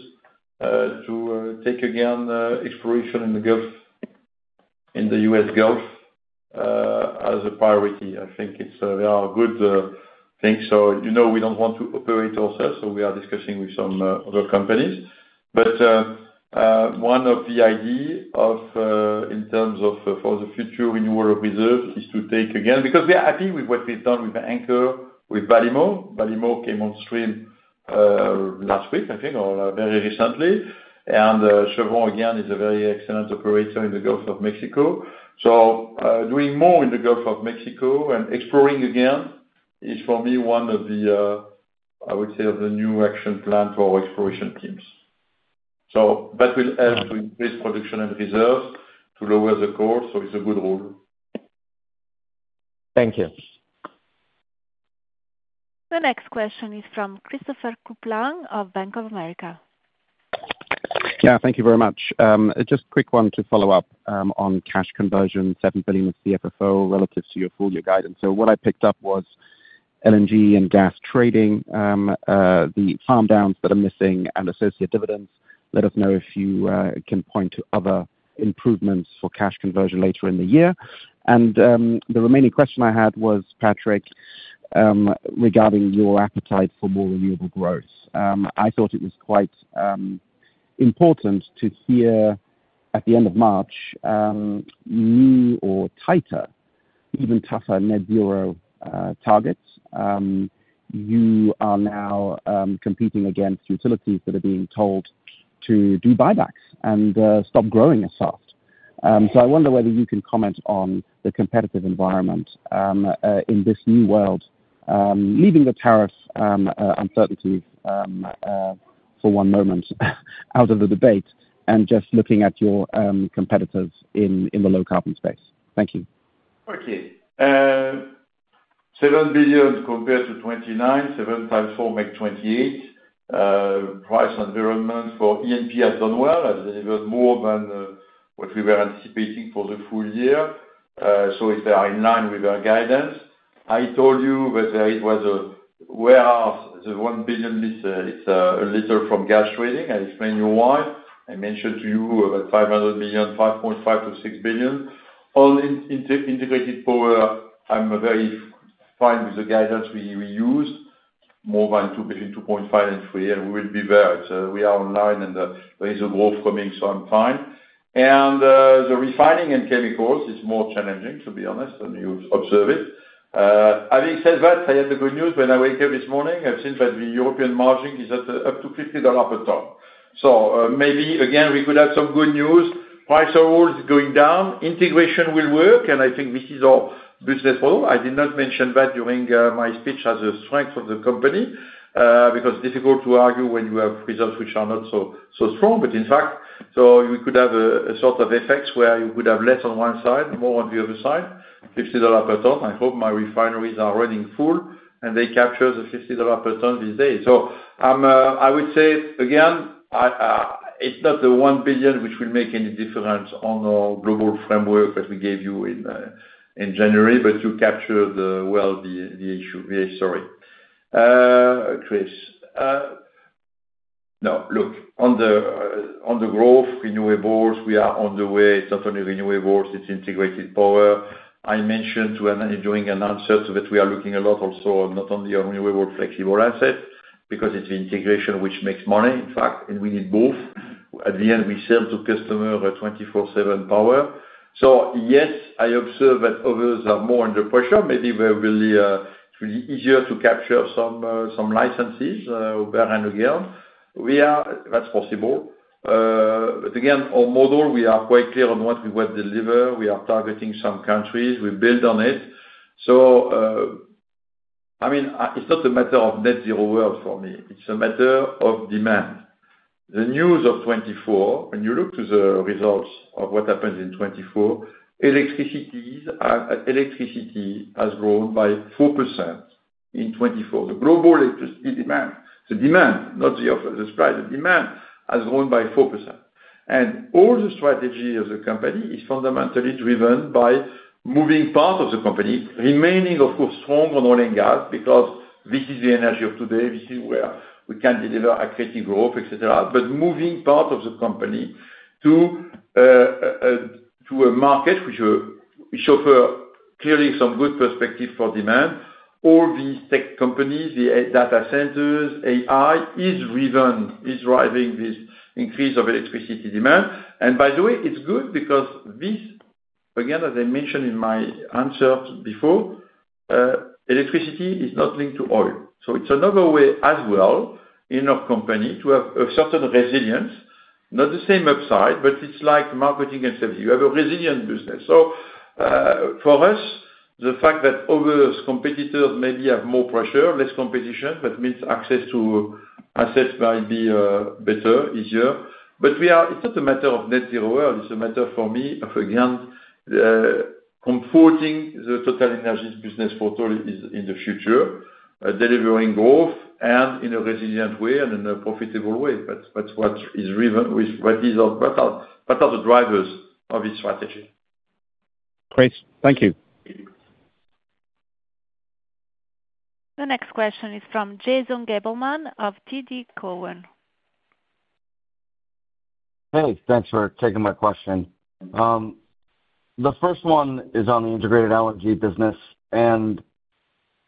to take again, exploration in the Gulf, in the U.S. Gulf, as a priority. I think it's a very good thing. You know, we don't want to operate ourselves. We are discussing with some other companies. One of the ideas, in terms of, for the future renewal of reserves, is to take again because we are happy with what we've done with Anchor, with Ballymore. Ballymore came on stream last week, I think, or very recently. Chevron, again, is a very excellent operator in the Gulf of Mexico. Doing more in the Gulf of Mexico and exploring again is, for me, one of the, I would say, of the new action plan for our exploration teams. That will help to increase production and reserves to lower the cost. It's a good rule. Thank you. The next question is from Christopher Copeland of Bank of America. Yeah. Thank you very much. Just a quick one to follow up, on cash conversion, $7 billion of CFFO relative to your full year guidance. What I picked up was LNG and gas trading, the farm downs that are missing and associated dividends. Let us know if you can point to other improvements for cash conversion later in the year. The remaining question I had was, Patrick, regarding your appetite for more renewable growth. I thought it was quite important to hear at the end of March, new or tighter, even tougher net zero targets. You are now competing against utilities that are being told to do buybacks and stop growing as soft. I wonder whether you can comment on the competitive environment, in this new world, leaving the tariff uncertainties for one moment out of the debate and just looking at your competitors in the low carbon space. Thank you. Okay. $7 billion compared to $29 billion, 7 x 4 makes 28. Price environment for E&P has done well. It's even more than what we were anticipating for the full year. It's in line with our guidance. I told you that it was a, whereas the $1 billion is, it's a little from gas trading. I explained to you why. I mentioned to you about $500 million, $5.5 billion-$6 billion. Only in integrated power, I'm very fine with the guidance we used, more than $2 billion, between $2.5 billion and $3 billion. We will be there. We are on line, and there is a growth coming, so I'm fine. The refining and chemicals is more challenging, to be honest, and you've observed it. Having said that, I had the good news. When I wake up this morning, I've seen that the European margin is at, up to $50 per ton. Maybe, again, we could have some good news. Price of oil is going down. Integration will work, and I think this is our business model. I did not mention that during my speech as a strength of the company, because it's difficult to argue when you have results which are not so, so strong. In fact, we could have a sort of effects where you could have less on one side, more on the other side, $50 per ton. I hope my refineries are running full, and they capture the $50 per ton these days. I'm, I would say, again, it's not the $1 billion which will make any difference on our global framework that we gave you in January, but you captured well, the issue, the story. Chris, no. Look, on the growth, renewables, we are on the way. It's not only renewables, it's integrated power. I mentioned during an answer that we are looking a lot also not only on renewable flexible assets because it's the integration which makes money, in fact, and we need both. At the end, we sell to customers, 24/7 power. Yes, I observe that others are more under pressure. Maybe really, it will be easier to capture some licenses, over and again. That's possible. Again, our model, we are quite clear on what we would deliver. We are targeting some countries. We build on it. I mean, it's not a matter of net zero world for me. It's a matter of demand. The news of 2024, when you look to the results of what happens in 2024, electricity is, electricity has grown by 4% in 2024. The global electricity demand, the demand, not the offer, the supply, the demand has grown by 4%. All the strategy of the company is fundamentally driven by moving part of the company, remaining, of course, strong on oil and gas because this is the energy of today. This is where we can deliver a creative growth, etc. Moving part of the company to a market which will, which offers clearly some good perspective for demand. All these tech companies, the data centers, AI is driven, is driving this increase of electricity demand. By the way, it's good because this, again, as I mentioned in my answer before, electricity is not linked to oil. It is another way as well in our company to have a certain resilience, not the same upside, but it's like marketing and service. You have a resilient business. For us, the fact that others' competitors maybe have more pressure, less competition, that means access to assets might be better, easier. It is not a matter of net zero world. It is a matter for me of, again, comforting the TotalEnergies business portfolio is in the future, delivering growth and in a resilient way and in a profitable way. That's what is driven with what is our what are what are the drivers of this strategy. Great. Thank you. The next question is from Jason Gabelman of TD Cowen. Hey, thanks for taking my question. The first one is on the integrated LNG business. And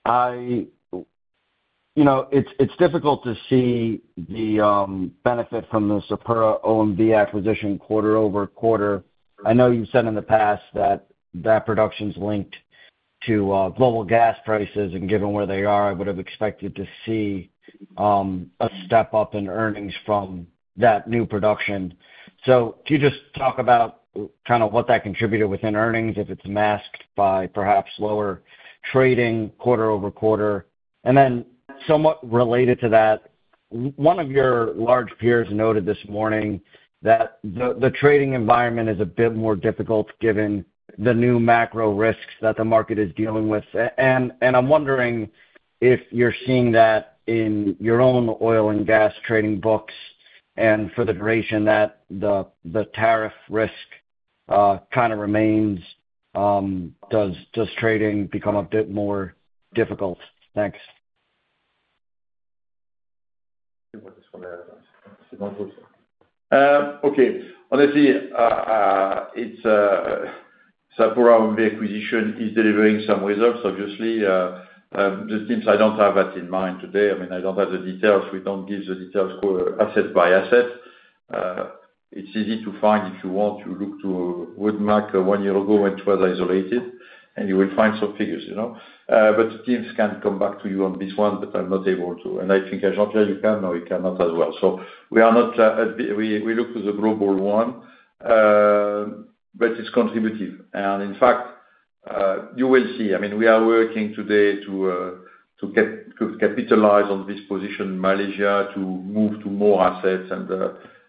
I, you know, it's difficult to see the benefit from the SapuraOMV acquisition quarter over quarter. I know you've said in the past that that production's linked to global gas prices, and given where they are, I would have expected to see a step up in earnings from that new production. Can you just talk about kind of what that contributed within earnings, if it's masked by perhaps lower trading quarter over quarter? Then somewhat related to that, one of your large peers noted this morning that the trading environment is a bit more difficult given the new macro risks that the market is dealing with. And I'm wondering if you're seeing that in your own oil and gas trading books and for the duration that the tariff risk kind of remains, does trading become a bit more difficult? Thanks. Okay. Honestly, it's, SapuraOMV acquisition is delivering some results, obviously. The teams, I don't have that in mind today. I mean, I don't have the details. We don't give the details core asset by asset. It's easy to find if you want to look to Wood Mackenzie one year ago when it was isolated, and you will find some figures, you know? The teams can come back to you on this one, but I'm not able to. I think, Jean-Pierre, you can or you cannot as well. We look to the global one, but it's contributive. In fact, you will see. I mean, we are working today to capitalize on this position, Malaysia, to move to more assets.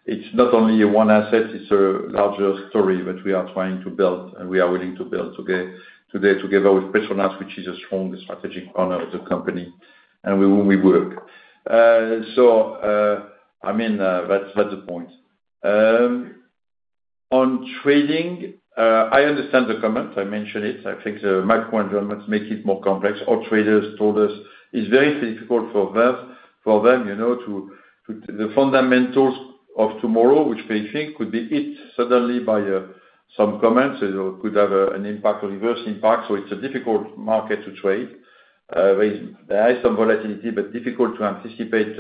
It's not only one asset. It's a larger story that we are trying to build, and we are willing to build together, today, together with Petronas, which is a strong strategic partner of the company. We work. I mean, that's the point. On trading, I understand the comment. I mentioned it. I think the macro environments make it more complex. Our traders told us it's very difficult for them, you know, to, to the fundamentals of tomorrow, which they think could be hit suddenly by some comments. It could have an impact, a reverse impact. It's a difficult market to trade. There is some volatility, but difficult to anticipate.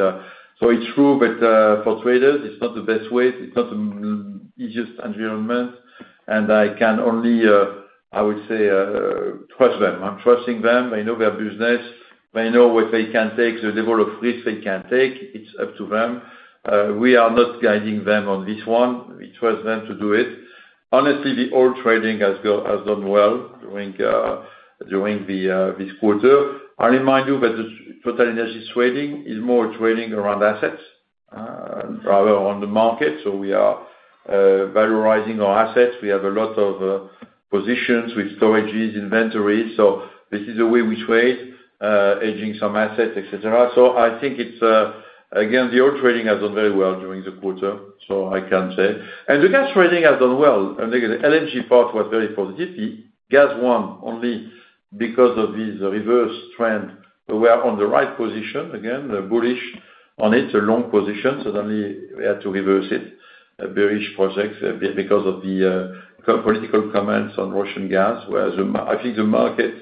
It's true, but for traders, it's not the best way. It's not the easiest environment. I can only, I would say, trust them. I'm trusting them. They know their business. They know what they can take, the level of risk they can take. It's up to them. We are not guiding them on this one. We trust them to do it. Honestly, the old trading has done well during this quarter. I remind you that the TotalEnergies trading is more trading around assets, rather than on the market. We are valorizing our assets. We have a lot of positions with storages, inventories. This is the way we trade, hedging some assets, etc. I think, again, the old trading has done very well during the quarter, I can say. The gas trading has done well. The LNG part was very positive. The gas one only because of this reverse trend, we were on the right position, again, bullish on it, a long position. Suddenly, we had to reverse it, a bearish project, because of the geopolitical comments on Russian gas, whereas the market, I think the market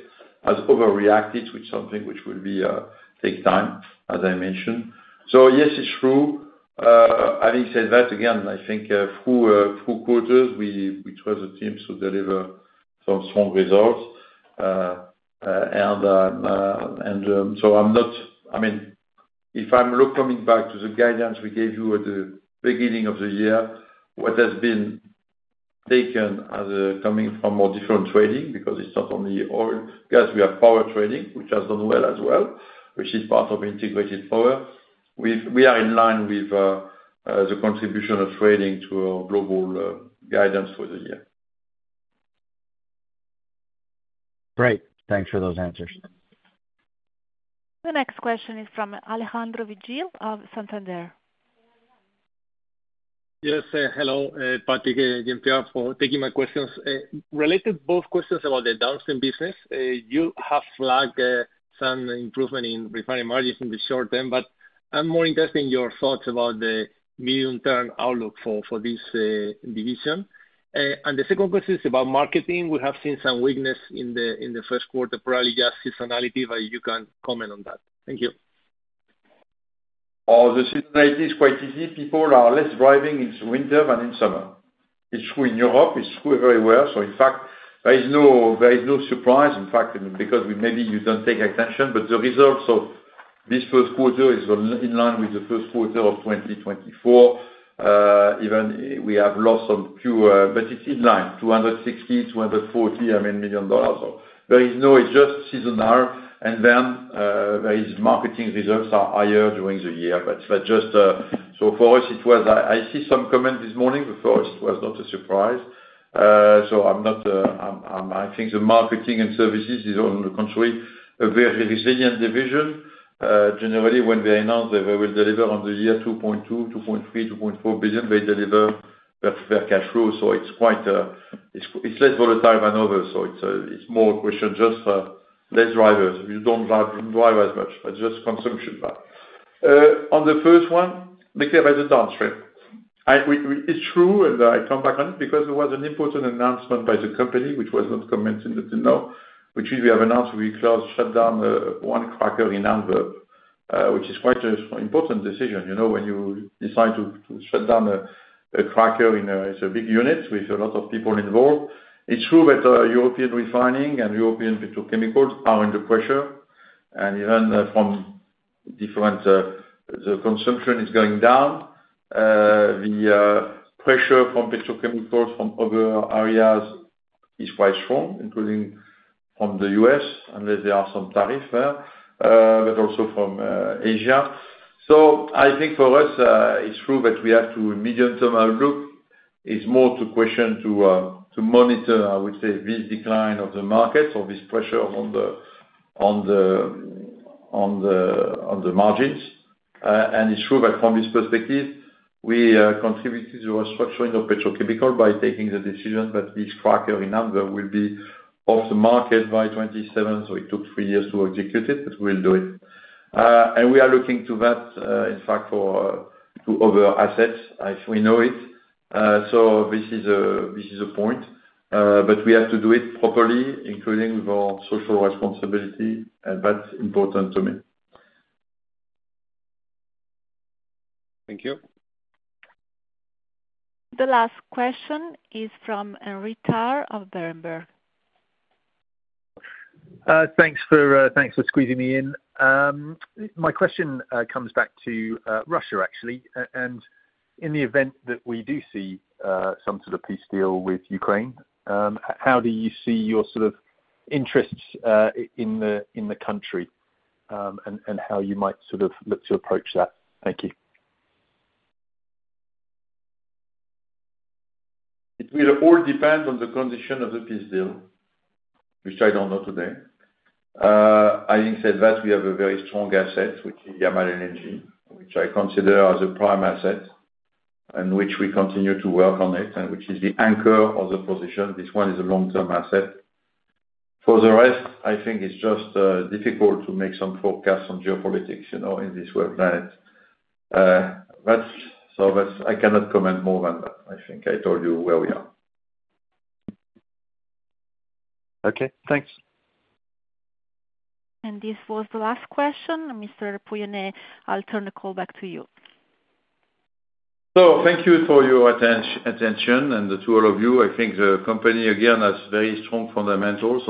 has overreacted with something which will be, take time, as I mentioned. Yes, it's true. Having said that, again, I think, through quarters, we trust the teams to deliver some strong results. I mean, if I'm looking back to the guidance we gave you at the beginning of the year, what has been taken as coming from our different trading, because it's not only oil gas, we have power trading, which has done well as well, which is part of integrated power. We are in line with the contribution of trading to our global guidance for the year. Great. Thanks for those answers. The next question is from Alejandro Vigil of Santander. Yes. Hello, Patrick and Jean-Pierre, for taking my questions. Related, both questions about the downstream business. You have flagged some improvement in refining margins in the short term, but I'm more interested in your thoughts about the medium-term outlook for this division. The second question is about marketing. We have seen some weakness in the first quarter, probably just seasonality, but you can comment on that. Thank you. Oh, the seasonality is quite easy. People are less driving in winter than in summer. It's true in Europe. It's true everywhere. In fact, there is no, there is no surprise, in fact, because we, maybe you don't take attention, but the results of this first quarter is in line with the first quarter of 2024. Even we have lost some few, but it's in line, $260 million, $240 million. I mean, million dollars. There is no adjust seasonal. The marketing results are higher during the year, but it's not just, for us, it was, I see some comment this morning, for us, it was not a surprise. I'm not, I think the marketing and services is on the contrary, a very resilient division. Generally, when they announce that they will deliver on the year $2.2 billion, $2.3 billion, $2.4 billion, they deliver their cash flow. It is less volatile than others. It is more a question, just less drivers. You do not drive, you do not drive as much, but just consumption drive. On the first one, looking at the downstream, it is true, and I come back on it because there was an important announcement by the company, which was not commented until now, which is we have announced we close, shut down, one cracker in Antwerp, which is quite an important decision, you know, when you decide to shut down a cracker in a, it is a big unit with a lot of people involved. It is true that European refining and European petrochemicals are under pressure. Even from different, the consumption is going down. The pressure from petrochemicals from other areas is quite strong, including from the U.S., unless there are some tariffs there, but also from Asia. I think for us, it's true that we have to medium-term outlook is more to question, to monitor, I would say, this decline of the markets or this pressure on the margins. It's true that from this perspective, we contributed to restructuring of petrochemical by taking the decision that this cracker in Antwerp will be off the market by 2027. It took three years to execute it, but we'll do it. We are looking to that, in fact, for to other assets, as we know it. This is a point, but we have to do it properly, including with our social responsibility. That's important to me. Thank you. The last question is from Eritar of Berenberg. Thanks for, thanks for squeezing me in. My question comes back to Russia, actually. In the event that we do see some sort of peace deal with Ukraine, how do you see your sort of interests in the, in the country, and how you might sort of look to approach that? Thank you. It will all depend on the condition of the peace deal, which I don't know today. Having said that, we have a very strong asset, which is Yamal LNG, which I consider as a prime asset and which we continue to work on it and which is the anchor of the position. This one is a long-term asset. For the rest, I think it's just difficult to make some forecasts on geopolitics, you know, in this world, right? That's so that's I cannot comment more than that. I think I told you where we are. Okay. Thanks. This was the last question. Mr. Pouyanné, I'll turn the call back to you. Thank you for your attention and to all of you. I think the company, again, has very strong fundamentals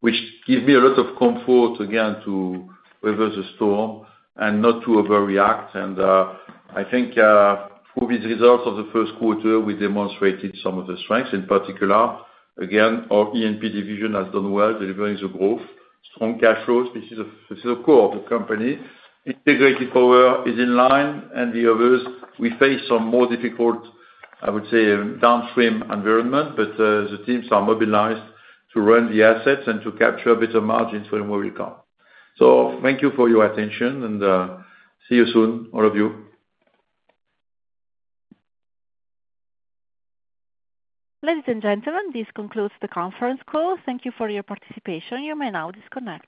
which give me a lot of comfort, again, to weather the storm and not to overreact. I think, through these results of the first quarter, we demonstrated some of the strengths. In particular, again, our E&P division has done well, delivering the growth, strong cash flows. This is a core of the company. Integrated power is in line. The others, we face some more difficult, I would say, downstream environment, but the teams are mobilized to run the assets and to capture better margins when we recall. Thank you for your attention, and see you soon, all of you. Ladies and gentlemen, this concludes the conference call. Thank you for your participation. You may now disconnect.